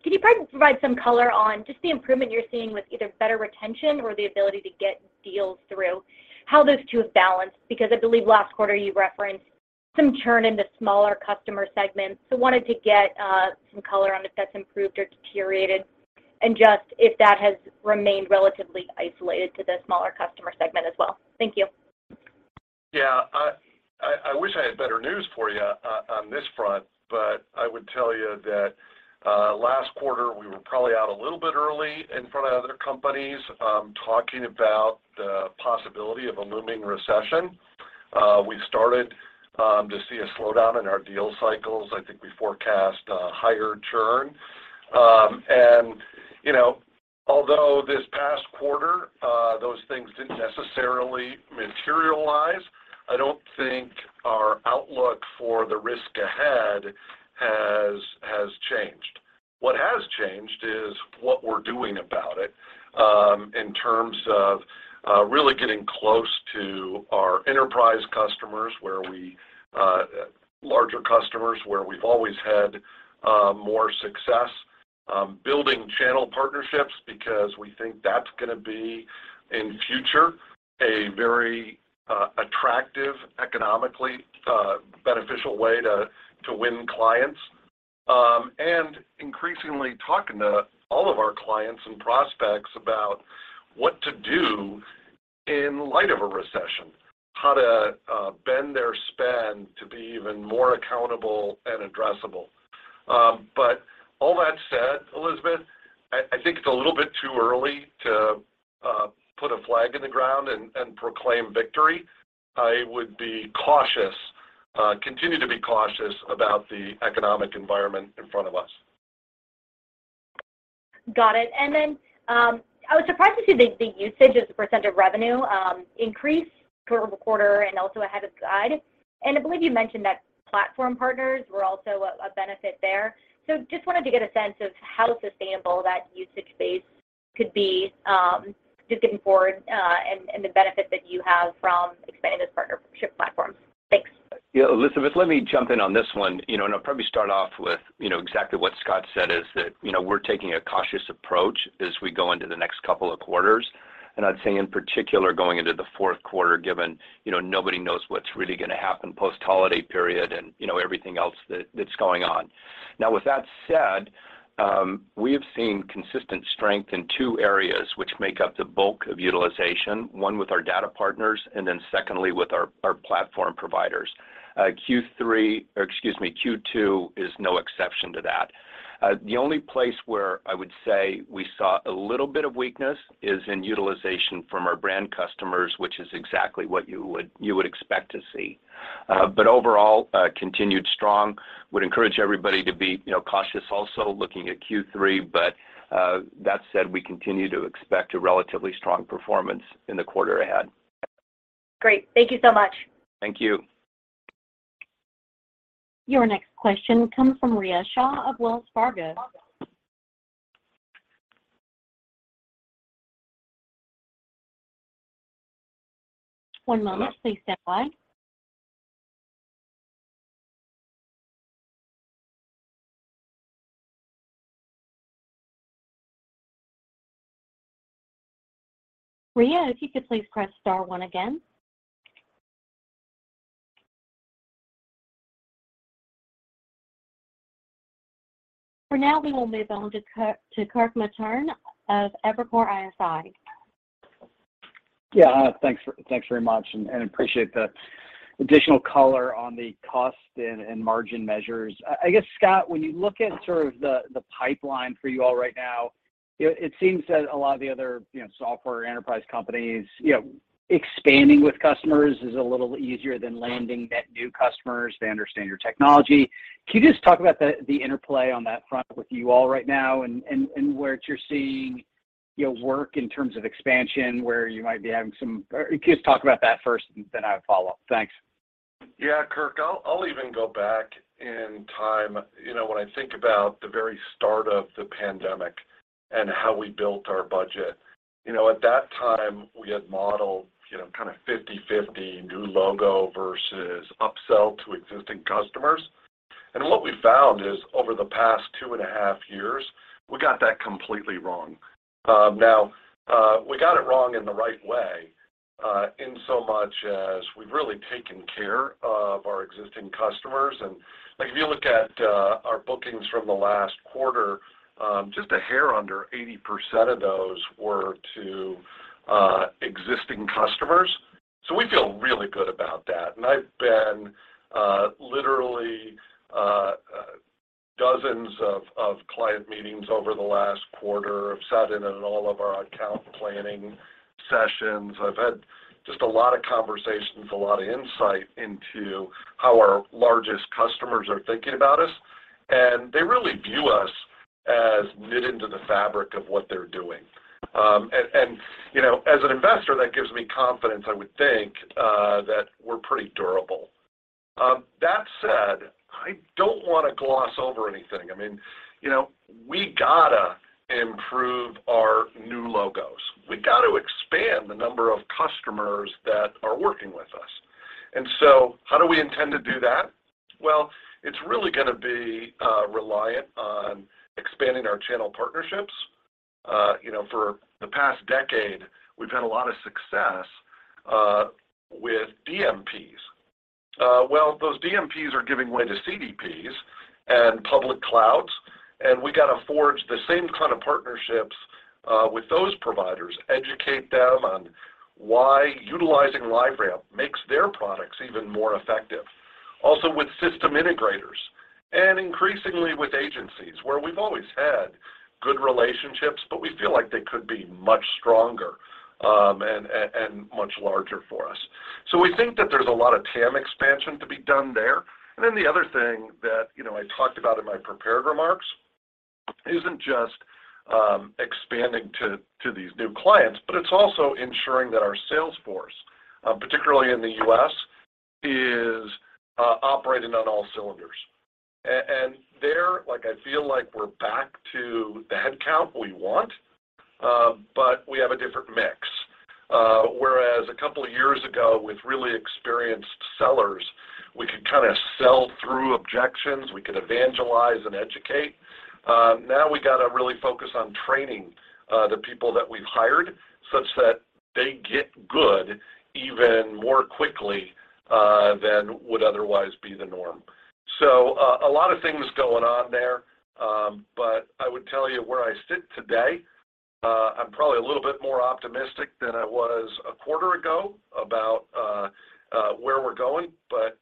E: Could you probably provide some color on just the improvement you're seeing with either better retention or the ability to get deals through, how those two have balanced? Because I believe last quarter you referenced some churn in the smaller customer segments. Wanted to get some color on if that's improved or deteriorated and just if that has remained relatively isolated to the smaller customer segment as well. Thank you.
C: I wish I had better news for you on this front, but I would tell you that last quarter, we were probably out a little bit early in front of other companies talking about the possibility of a looming recession. We started to see a slowdown in our deal cycles. I think we forecast a higher churn. You know, although this past quarter those things didn't necessarily materialize, I don't think our outlook for the risk ahead has changed. What has changed is what we're doing about it in terms of really getting close to our enterprise customers, our larger customers, where we've always had more success building channel partnerships because we think that's gonna be in future a very attractive economically beneficial way to win clients. Increasingly talking to all of our clients and prospects about what to do in light of a recession, how to bend their spend to be even more accountable and addressable. All that said, Elizabeth, I think it's a little bit too early to put a flag in the ground and proclaim victory. I would be cautious, continue to be cautious about the economic environment in front of us.
E: Got it. Then, I was surprised to see the usage as a percent of revenue increase quarter-over-quarter and also ahead of guide. I believe you mentioned that platform partners were also a benefit there. Just wanted to get a sense of how sustainable that usage base could be, just looking forward, and the benefit that you have from expanding those partnership platforms. Thanks.
D: Yeah. Elizabeth, let me jump in on this one, you know, and I'll probably start off with, you know, exactly what Scott said is that, you know, we're taking a cautious approach as we go into the next couple of quarters. I'd say in particular, going into the fourth quarter, given, you know, nobody knows what's really gonna happen post-holiday period and, you know, everything else that's going on. Now with that said, we have seen consistent strength in two areas which make up the bulk of utilization, one with our data partners and then secondly with our platform providers. Q3, or excuse me, Q2 is no exception to that. The only place where I would say we saw a little bit of weakness is in utilization from our brand customers, which is exactly what you would expect to see. Overall, continued strong. Would encourage everybody to be, you know, cautious also looking at Q3. That said, we continue to expect a relatively strong performance in the quarter ahead.
E: Great. Thank you so much.
C: Thank you.
F: Your next question comes from Riya Shah of Wells Fargo. One moment, please stand by. Riya, if you could please press star one again. For now, we will move on to Kirk Materne of Evercore ISI.
G: Yeah. Thanks very much and appreciate the additional color on the cost and margin measures. I guess, Scott, when you look at sort of the pipeline for you all right now, it seems that a lot of the other, you know, software enterprise companies, you know, expanding with customers is a little easier than landing net new customers. They understand your technology. Can you just talk about the interplay on that front with you all right now and where you're seeing, you know, work in terms of expansion, where you might be having some. Can you just talk about that first, and then I have follow-up. Thanks.
C: Yeah, Kirk. I'll even go back in time. You know, when I think about the very start of the pandemic and how we built our budget, you know, at that time, we had modeled, you know, kinda 50/50 new logo versus upsell to existing customers. What we found is over the past two and a half years, we got that completely wrong. Now, we got it wrong in the right way, in so much as we've really taken care of our existing customers. Like, if you look at our bookings from the last quarter, just a hair under 80% of those were to existing customers. We feel really good about that. I've been literally in dozens of client meetings over the last quarter. I've sat in on all of our account planning sessions. I've had just a lot of conversations, a lot of insight into how our largest customers are thinking about us, and they really view us as knit into the fabric of what they're doing. You know, as an investor, that gives me confidence, I would think, that we're pretty durable. That said, I don't wanna gloss over anything. I mean, you know, we gotta improve our new logos. We gotta expand the number of customers that are working with us. How do we intend to do that? Well, it's really gonna be reliant on expanding our channel partnerships. You know, for the past decade, we've had a lot of success with DMPs. Those DMPs are giving way to CDPs and public clouds, and we gotta forge the same kind of partnerships with those providers, educate them on why utilizing LiveRamp makes their products even more effective. Also with system integrators and increasingly with agencies, where we've always had good relationships, but we feel like they could be much stronger and much larger for us. We think that there's a lot of TAM expansion to be done there. The other thing that you know I talked about in my prepared remarks isn't just expanding to these new clients, but it's also ensuring that our sales force particularly in the U.S. is operating on all cylinders. There like I feel like we're back to the headcount we want, but we have a different mix. Whereas a couple of years ago, with really experienced sellers, we could kinda sell through objections, we could evangelize and educate. Now we gotta really focus on training, the people that we've hired such that they get good even more quickly, than would otherwise be the norm. A lot of things going on there. I would tell you where I sit today, I'm probably a little bit more optimistic than I was a quarter ago about where we're going, but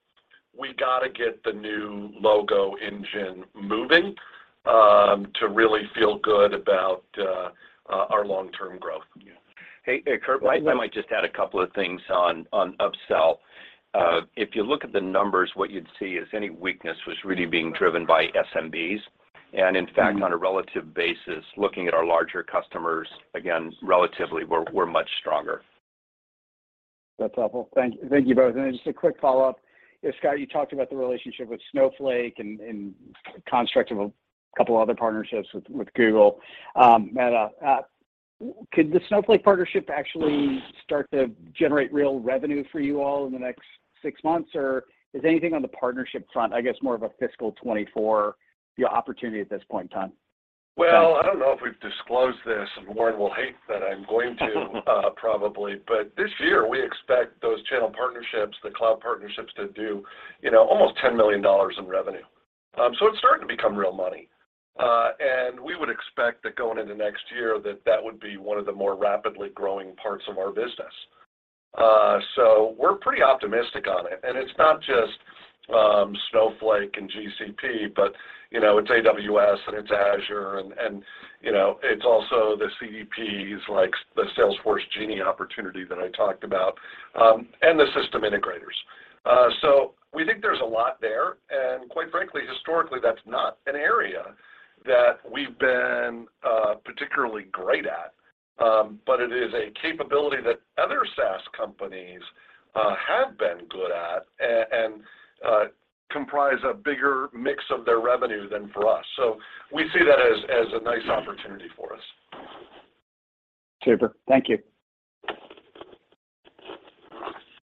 C: we gotta get the new logo engine moving to really feel good about our long-term growth. Hey, Kirk, I might just add a couple of things on upsell. If you look at the numbers, what you'd see is any weakness was really being driven by SMBs. In fact, on a relative basis, looking at our larger customers, again, relatively, we're much stronger.
G: That's helpful. Thank you both. Just a quick follow-up. Scott, you talked about the relationship with Snowflake and construction of a couple other partnerships with Google. Could the Snowflake partnership actually start to generate real revenue for you all in the next six months, or is anything on the partnership front, I guess, more of a fiscal 2024 year opportunity at this point in time?
C: Well, I don't know if we've disclosed this, and Warren will hate that I'm going to, probably. This year, we expect those channel partnerships, the cloud partnerships to do, you know, almost $10 million in revenue. It's starting to become real money. We would expect that going into next year, that would be one of the more rapidly growing parts of our business. We're pretty optimistic on it. It's not just Snowflake and GCP, but, you know, it's AWS, and it's Azure, and, you know, it's also the CDPs like the Salesforce Genie opportunity that I talked about, and that we've been particularly great at. It is a capability that other SaaS companies have been good at and comprise a bigger mix of their revenue than for us. We see that as a nice opportunity for us.
D: Super. Thank you.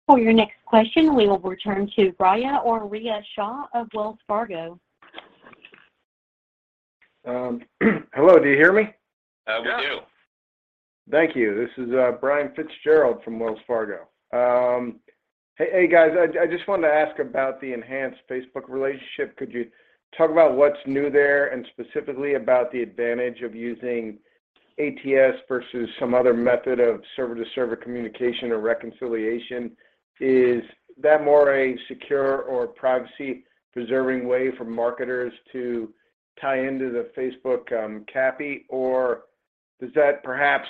F: For your next question, we will return to Riya Shah of Wells Fargo.
H: Hello, do you hear me?
C: Yeah, we do.
H: Thank you. This is Brian Fitzgerald from Wells Fargo. Hey, guys, I just wanted to ask about the enhanced Facebook relationship. Could you talk about what's new there, and specifically about the advantage of using ATS versus some other method of server-to-server communication or reconciliation? Is that more a secure or privacy-preserving way for marketers to tie into the Facebook CAPI? Or does that perhaps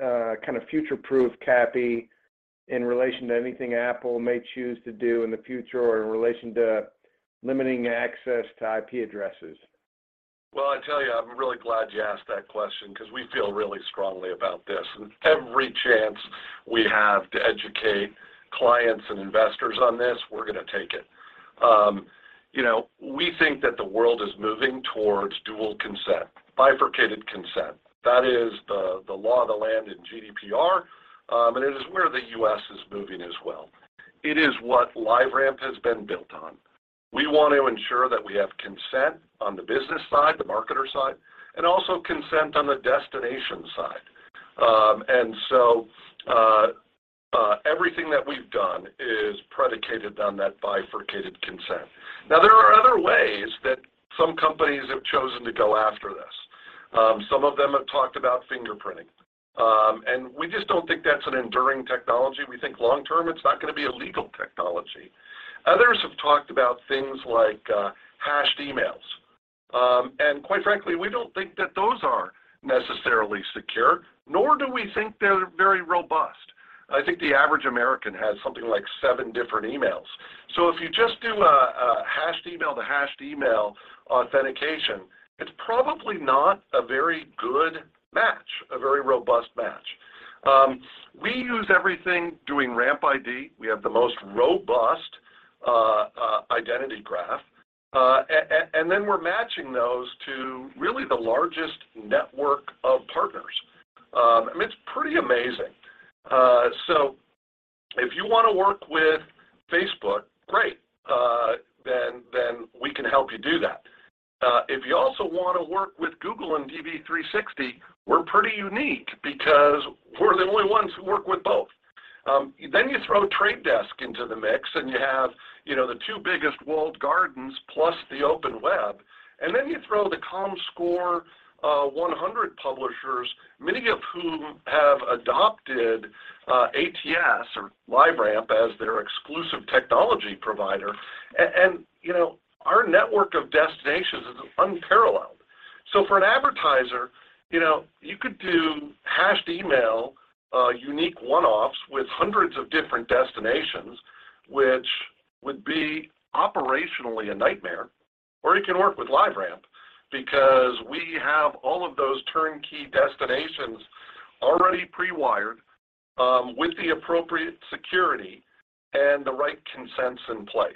H: kind of future-proof CAPI in relation to anything Apple may choose to do in the future or in relation to limiting access to IP addresses?
C: Well, I tell you, I'm really glad you asked that question 'cause we feel really strongly about this. Every chance we have to educate clients and investors on this, we're gonna take it. You know, we think that the world is moving towards dual consent, bifurcated consent. That is the law of the land in GDPR, and it is where the U.S. is moving as well. It is what LiveRamp has been built on. We want to ensure that we have consent on the business side, the marketer side, and also consent on the destination side. Everything that we've done is predicated on that bifurcated consent. Now, there are other ways that some companies have chosen to go after this. Some of them have talked about fingerprinting. We just don't think that's an enduring technology. We think long term, it's not gonna be a legal technology. Others have talked about things like hashed emails. Quite frankly, we don't think that those are necessarily secure, nor do we think they're very robust. I think the average American has something like seven different emails. If you just do a hashed email to hashed email authentication, it's probably not a very good match, a very robust match. We use everything doing RampID. We have the most robust identity graph, and then we're matching those to really the largest network of partners. I mean, it's pretty amazing. If you wanna work with Facebook, great. We can help you do that. If you also wanna work with Google and DV360, we're pretty unique because we're the only ones who work with both. You throw The Trade Desk into the mix and you have, you know, the two biggest walled gardens plus the open web. You throw the Comscore 100 publishers, many of whom have adopted ATS or LiveRamp as their exclusive technology provider. You know, our network of destinations is unparalleled. For an advertiser, you know, you could do hashed email unique one-offs with hundreds of different destinations, which would be operationally a nightmare, or you can work with LiveRamp because we have all of those turnkey destinations already pre-wired with the appropriate security and the right consents in place.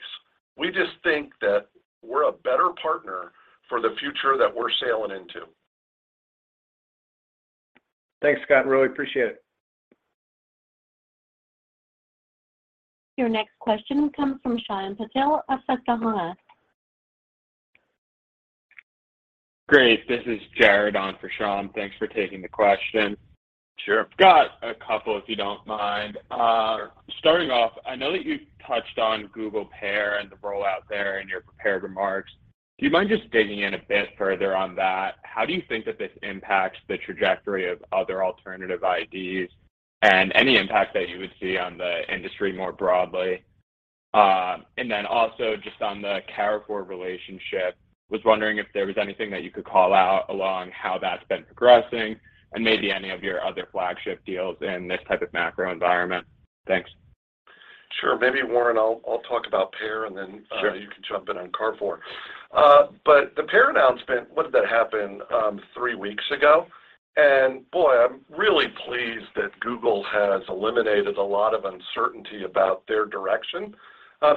C: We just think that we're a better partner for the future that we're sailing into.
D: Thanks, Scott. Really appreciate it.
F: Your next question comes from Shyam Patil of Susquehanna.
I: Great. This is Jared on for Shyam Patil. Thanks for taking the question.
C: Sure.
I: Got a couple, if you don't mind. Starting off, I know that you touched on Google PAIR and the rollout there in your prepared remarks. Do you mind just digging in a bit further on that? How do you think that this impacts the trajectory of other alternative IDs and any impact that you would see on the industry more broadly? And then also just on the Carrefour relationship, was wondering if there was anything that you could call out along how that's been progressing and maybe any of your other flagship deals in this type of macro environment. Thanks.
C: Sure. Maybe, Warren, I'll talk about PAIR, and then.
D: Sure.
C: You can jump in on Carrefour. The PAIR announcement, when did that happen? Three weeks ago. Boy, I'm really pleased that Google has eliminated a lot of uncertainty about their direction.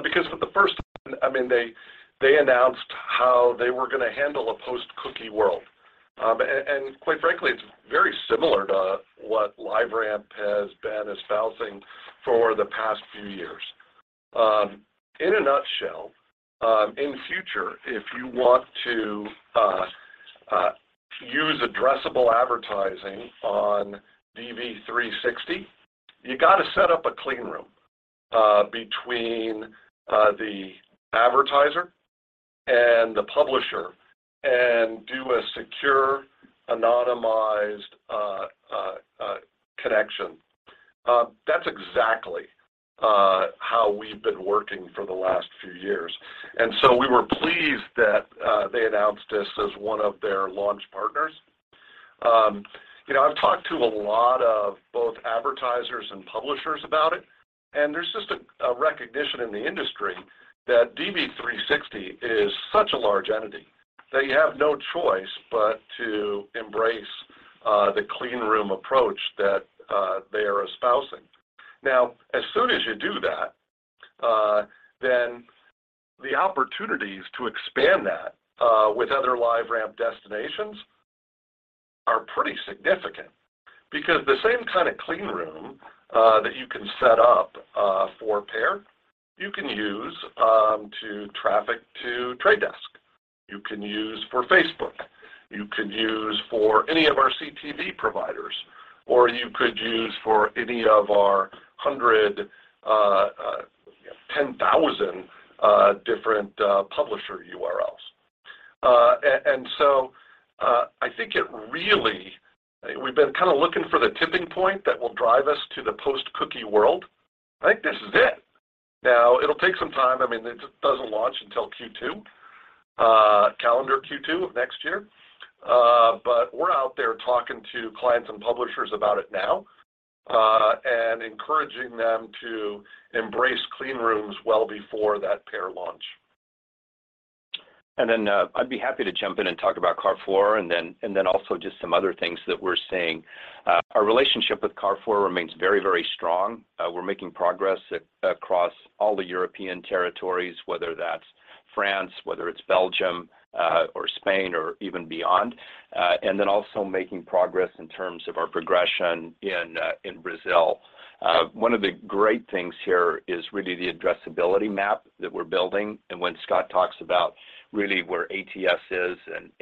C: Because for the first time, I mean, they announced how they were gonna handle a post-cookie world. And quite frankly, it's very similar to what LiveRamp has been espousing for the past few years. In a nutshell, in future, if you want to use addressable advertising on DV360, you got to set up a clean room between the advertiser and the publisher and do a secure, anonymized connection. That's exactly how we've been working for the last few years. We were pleased that they announced us as one of their launch partners. You know, I've talked to a lot of both advertisers and publishers about it, and there's just a recognition in the industry that DV360 is such a large entity that you have no choice but to embrace the clean room approach that they are espousing. Now, as soon as you do that, then the opportunities to expand that with other LiveRamp destinations are pretty significant. Because the same kind of clean room that you can set up for PAIR, you can use to traffic to The Trade Desk, you can use for Facebook, you can use for any of our CTV providers, or you could use for any of our 110,000 different publisher URLs. We've been kinda looking for the tipping point that will drive us to the post-cookie world. I mean, it doesn't launch until Q2, calendar Q2 of next year. We're out there talking to clients and publishers about it now, and encouraging them to embrace clean rooms well before that PAIR launch.
D: I'd be happy to jump in and talk about Carrefour and then also just some other things that we're seeing. Our relationship with Carrefour remains very, very strong. We're making progress across all the European territories, whether that's France, whether it's Belgium, or Spain, or even beyond. We're also making progress in terms of our progression in Brazil. One of the great things here is really the addressability map that we're building. When Scott talks about really where ATS is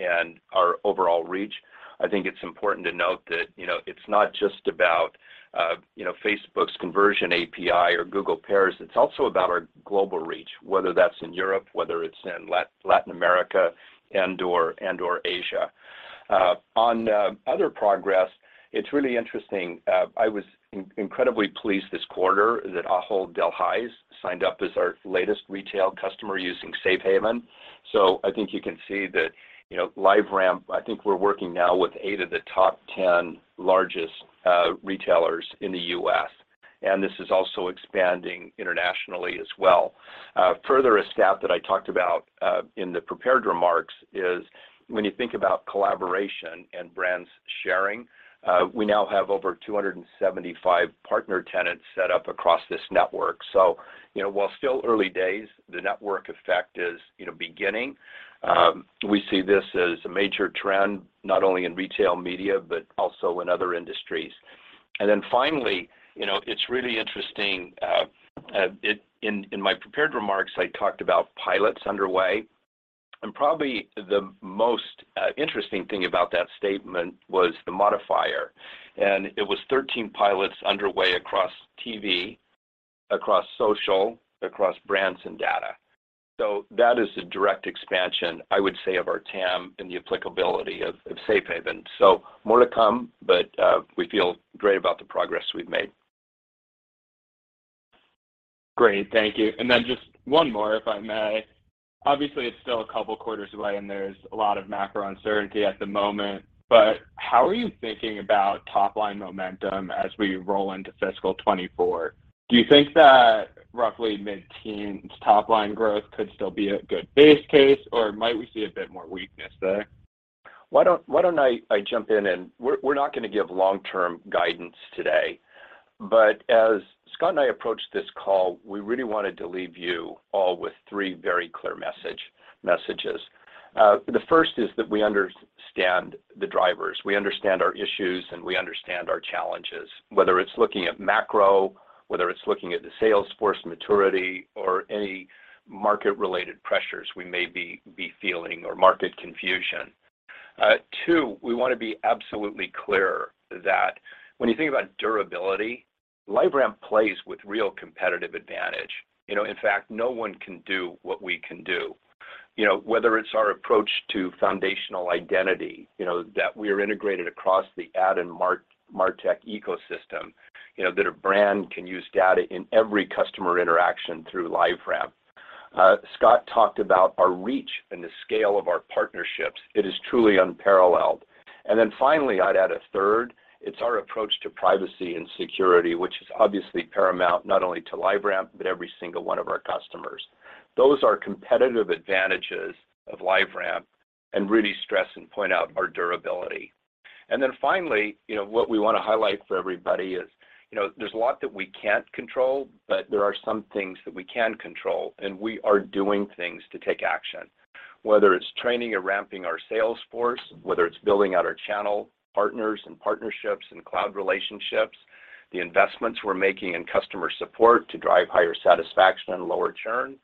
D: and our overall reach, I think it's important to note that, you know, it's not just about, you know, Facebook's Conversions API or Google PAIR. It's also about our global reach, whether that's in Europe, whether it's in Latin America and/or Asia. On other progress, it's really interesting. I was incredibly pleased this quarter that Ahold Delhaize signed up as our latest retail customer using Safe Haven. I think you can see that, you know, LiveRamp, I think we're working now with eight of the top 10 largest retailers in the US, and this is also expanding internationally as well. Further, a stat that I talked about in the prepared remarks is when you think about collaboration and brands sharing, we now have over 275 partner tenants set up across this network. You know, while still early days, the network effect is, you know, beginning. We see this as a major trend not only in retail media, but also in other industries. Finally, you know, it's really interesting. In my prepared remarks, I talked about pilots underway, and probably the most interesting thing about that statement was the modifier. It was 13 pilots underway across TV, across social, across brands and data. That is a direct expansion, I would say, of our TAM in the applicability of Safe Haven. More to come, but we feel great about the progress we've made.
I: Great. Thank you. Just one more, if I may. Obviously, it's still a couple quarters away, and there's a lot of macro uncertainty at the moment, but how are you thinking about top-line momentum as we roll into fiscal 2024? Do you think that roughly mid-teen top-line growth could still be a good base case, or might we see a bit more weakness there?
D: Why don't I jump in? We're not gonna give long-term guidance today. As Scott and I approached this call, we really wanted to leave you all with three very clear messages. The first is that we understand the drivers, we understand our issues, and we understand our challenges, whether it's looking at macro, whether it's looking at the sales force maturity or any market-related pressures we may be feeling or market confusion. Two, we wanna be absolutely clear that when you think about durability, LiveRamp plays with real competitive advantage. You know, in fact, no one can do what we can do. You know, whether it's our approach to foundational identity, you know, that we are integrated across the ad and martech ecosystem. You know, that a brand can use data in every customer interaction through LiveRamp. Scott talked about our reach and the scale of our partnerships. It is truly unparalleled. Finally, I'd add a third. It's our approach to privacy and security, which is obviously paramount not only to LiveRamp, but every single one of our customers. Those are competitive advantages of LiveRamp and really stress and point out our durability. Finally, you know, what we wanna highlight for everybody is, you know, there's a lot that we can't control, but there are some things that we can control, and we are doing things to take action, whether it's training or ramping our sales force, whether it's building out our channel partners and partnerships and cloud relationships, the investments we're making in customer support to drive higher satisfaction and lower churn.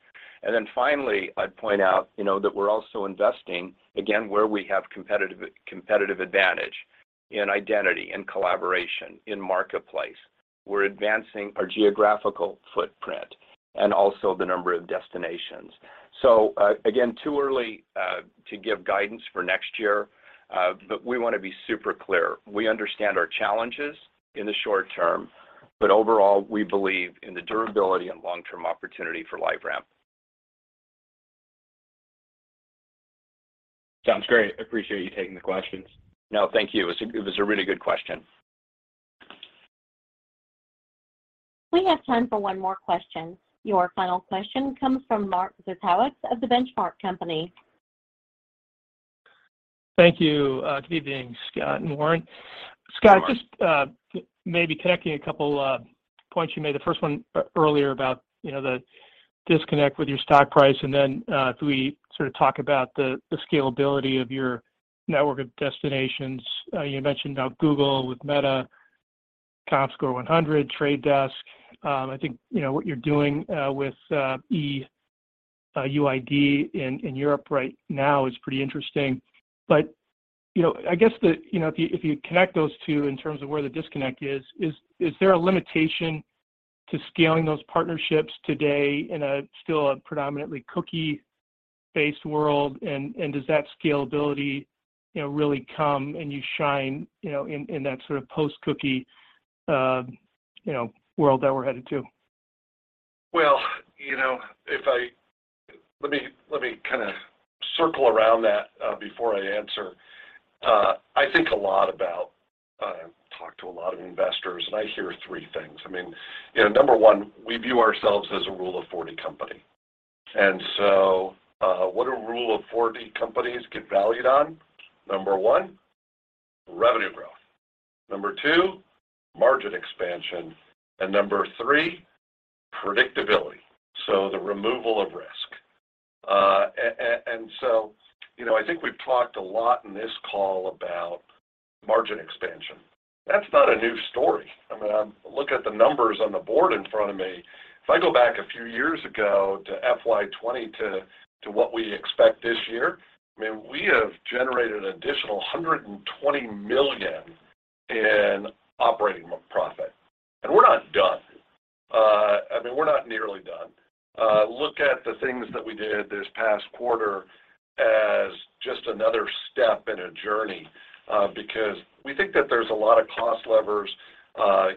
D: Then finally, I'd point out, you know, that we're also investing again, where we have competitive advantage in identity and collaboration in marketplace. We're advancing our geographical footprint and also the number of destinations. Again, too early to give guidance for next year, but we wanna be super clear. We understand our challenges in the short term, but overall, we believe in the durability and long-term opportunity for LiveRamp.
I: Sounds great. I appreciate you taking the questions.
C: No, thank you. It was a really good question.
A: We have time for one more question. Your final question comes from Mark Zgutowicz of The Benchmark Company.
J: Thank you. Good evening, Scott and Warren.
C: Mark.
J: Scott, just maybe connecting a couple of points you made. The first one earlier about, you know, the disconnect with your stock price, and then can we sort of talk about the scalability of your network of destinations. You mentioned about Google, with Meta, Comscore 100, The Trade Desk. I think, you know, what you're doing with E-UID in Europe right now is pretty interesting. But, you know, I guess you know, if you connect those two in terms of where the disconnect is there a limitation to scaling those partnerships today in a still predominantly cookie-based world? And does that scalability, you know, really come and you shine, you know, in that sort of post-cookie world that we're headed to?
C: Well, you know, let me kinda circle around that before I answer. I think a lot about, I talk to a lot of investors, and I hear three things. I mean, you know, number one, we view ourselves as a Rule of 40 company. What do Rule of 40 companies get valued on? Number one, revenue growth. Number two, margin expansion. Number three, predictability, so the removal of risk. You know, I think we've talked a lot in this call about margin expansion. That's not a new story. I mean, I look at the numbers on the board in front of me. If I go back a few years ago to FY 2020 to what we expect this year, I mean, we have generated an additional $120 million in operating profit. We're not done. I mean, we're not nearly done. Look at the things that we did this past quarter as just another step in a journey, because we think that there's a lot of cost levers,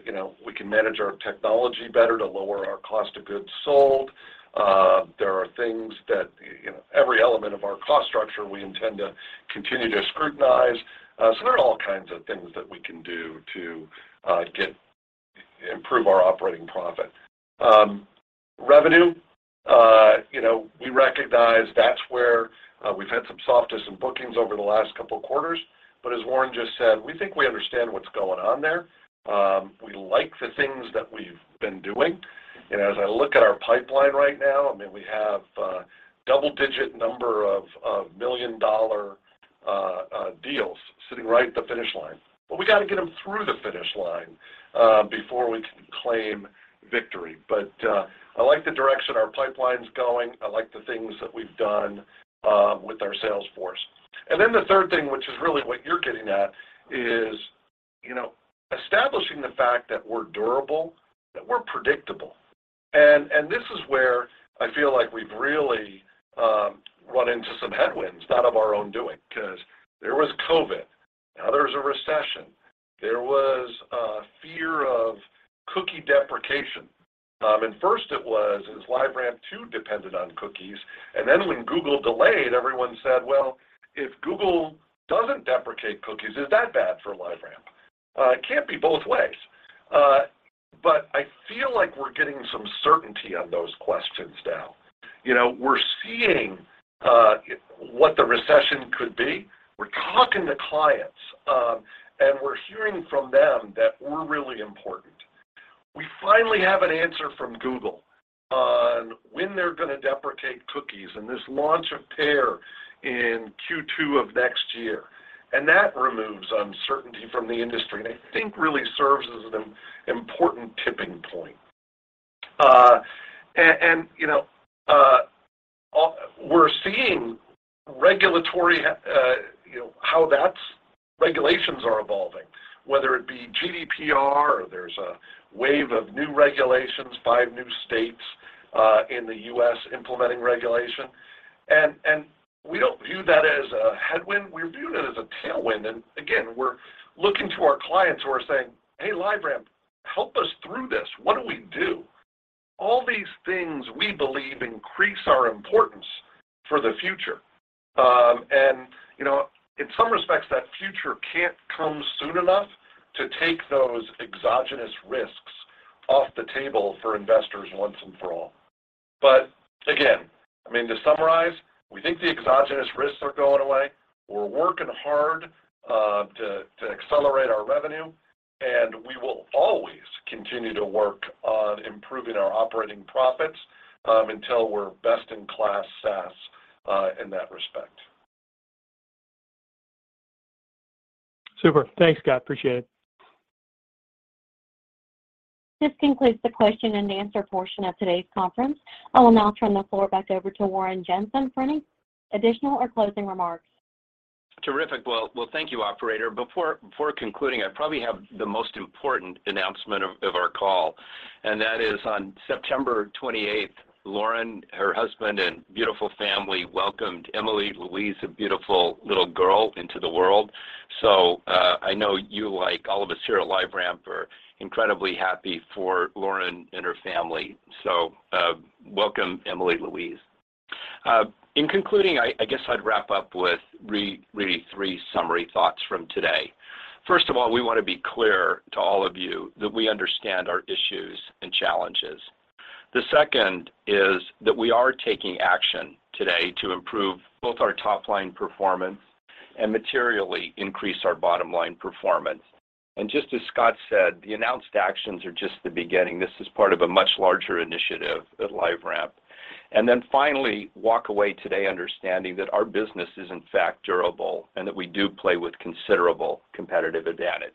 C: you know, we can manage our technology better to lower our cost of goods sold. There are things that, you know, every element of our cost structure we intend to continue to scrutinize. There are all kinds of things that we can do to improve our operating profit. Revenue, you know, we recognize that's where we've had some softness in bookings over the last couple of quarters. As Warren just said, we think we understand what's going on there. We like the things that we've been doing. As I look at our pipeline right now, I mean, we have a double-digit number of million-dollar deals sitting right at the finish line. We gotta get them through the finish line before we can claim victory. I like the direction our pipeline's going. I like the things that we've done with our sales force. Then the third thing, which is really what you're getting at, is, you know, establishing the fact that we're durable, that we're predictable. This is where I feel like we've really run into some headwinds, not of our own doing, 'cause there was COVID, now there's a recession. There was a fear of cookie deprecation. First it was, is LiveRamp too dependent on cookies? Then when Google delayed, everyone said, "Well, if Google doesn't deprecate cookies, is that bad for LiveRamp?" It can't be both ways. I feel like we're getting some certainty on those questions now. You know, we're seeing what the recession could be. We're talking to clients, and we're hearing from them that we're really important. We finally have an answer from Google on when they're gonna deprecate cookies, and this launch of PAIR in Q2 of next year, and that removes uncertainty from the industry, and I think really serves as an important tipping point. You know, we're seeing regulatory, you know, regulations are evolving, whether it be GDPR or there's a wave of new regulations, five new states in the US implementing regulation. We don't view that as a headwind, we view it as a tailwind. Again, we're looking to our clients who are saying, "Hey, LiveRamp, help us through this. What do we do?" All these things, we believe, increase our importance for the future. You know, in some respects, that future can't come soon enough to take those exogenous risks off the table for investors once and for all. Again, I mean, to summarize, we think the exogenous risks are going away. We're working hard to accelerate our revenue, and we will always continue to work on improving our operating profits until we're best-in-class SaaS in that respect.
J: Super. Thanks, Scott. Appreciate it.
A: This concludes the question and answer portion of today's conference. I will now turn the floor back over to Warren Jenson for any additional or closing remarks.
D: Terrific. Well, thank you, operator. Before concluding, I probably have the most important announcement of our call, and that is on September 28th, Lauren, her husband, and beautiful family welcomed Emily Louise, a beautiful little girl, into the world. I know you, like all of us here at LiveRamp, are incredibly happy for Lauren and her family. Welcome, Emily Louise. In concluding, I guess I'd wrap up with really three summary thoughts from today. First of all, we wanna be clear to all of you that we understand our issues and challenges. The second is that we are taking action today to improve both our top-line performance and materially increase our bottom-line performance. Just as Scott said, the announced actions are just the beginning. This is part of a much larger initiative at LiveRamp.
C: Finally, walk away today understanding that our business is, in fact, durable and that we do play with considerable competitive advantage.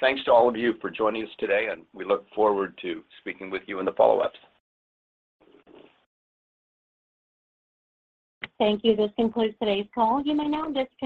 C: Thanks to all of you for joining us today, and we look forward to speaking with you in the follow-ups.
A: Thank you. This concludes today's call. You may now disconnect.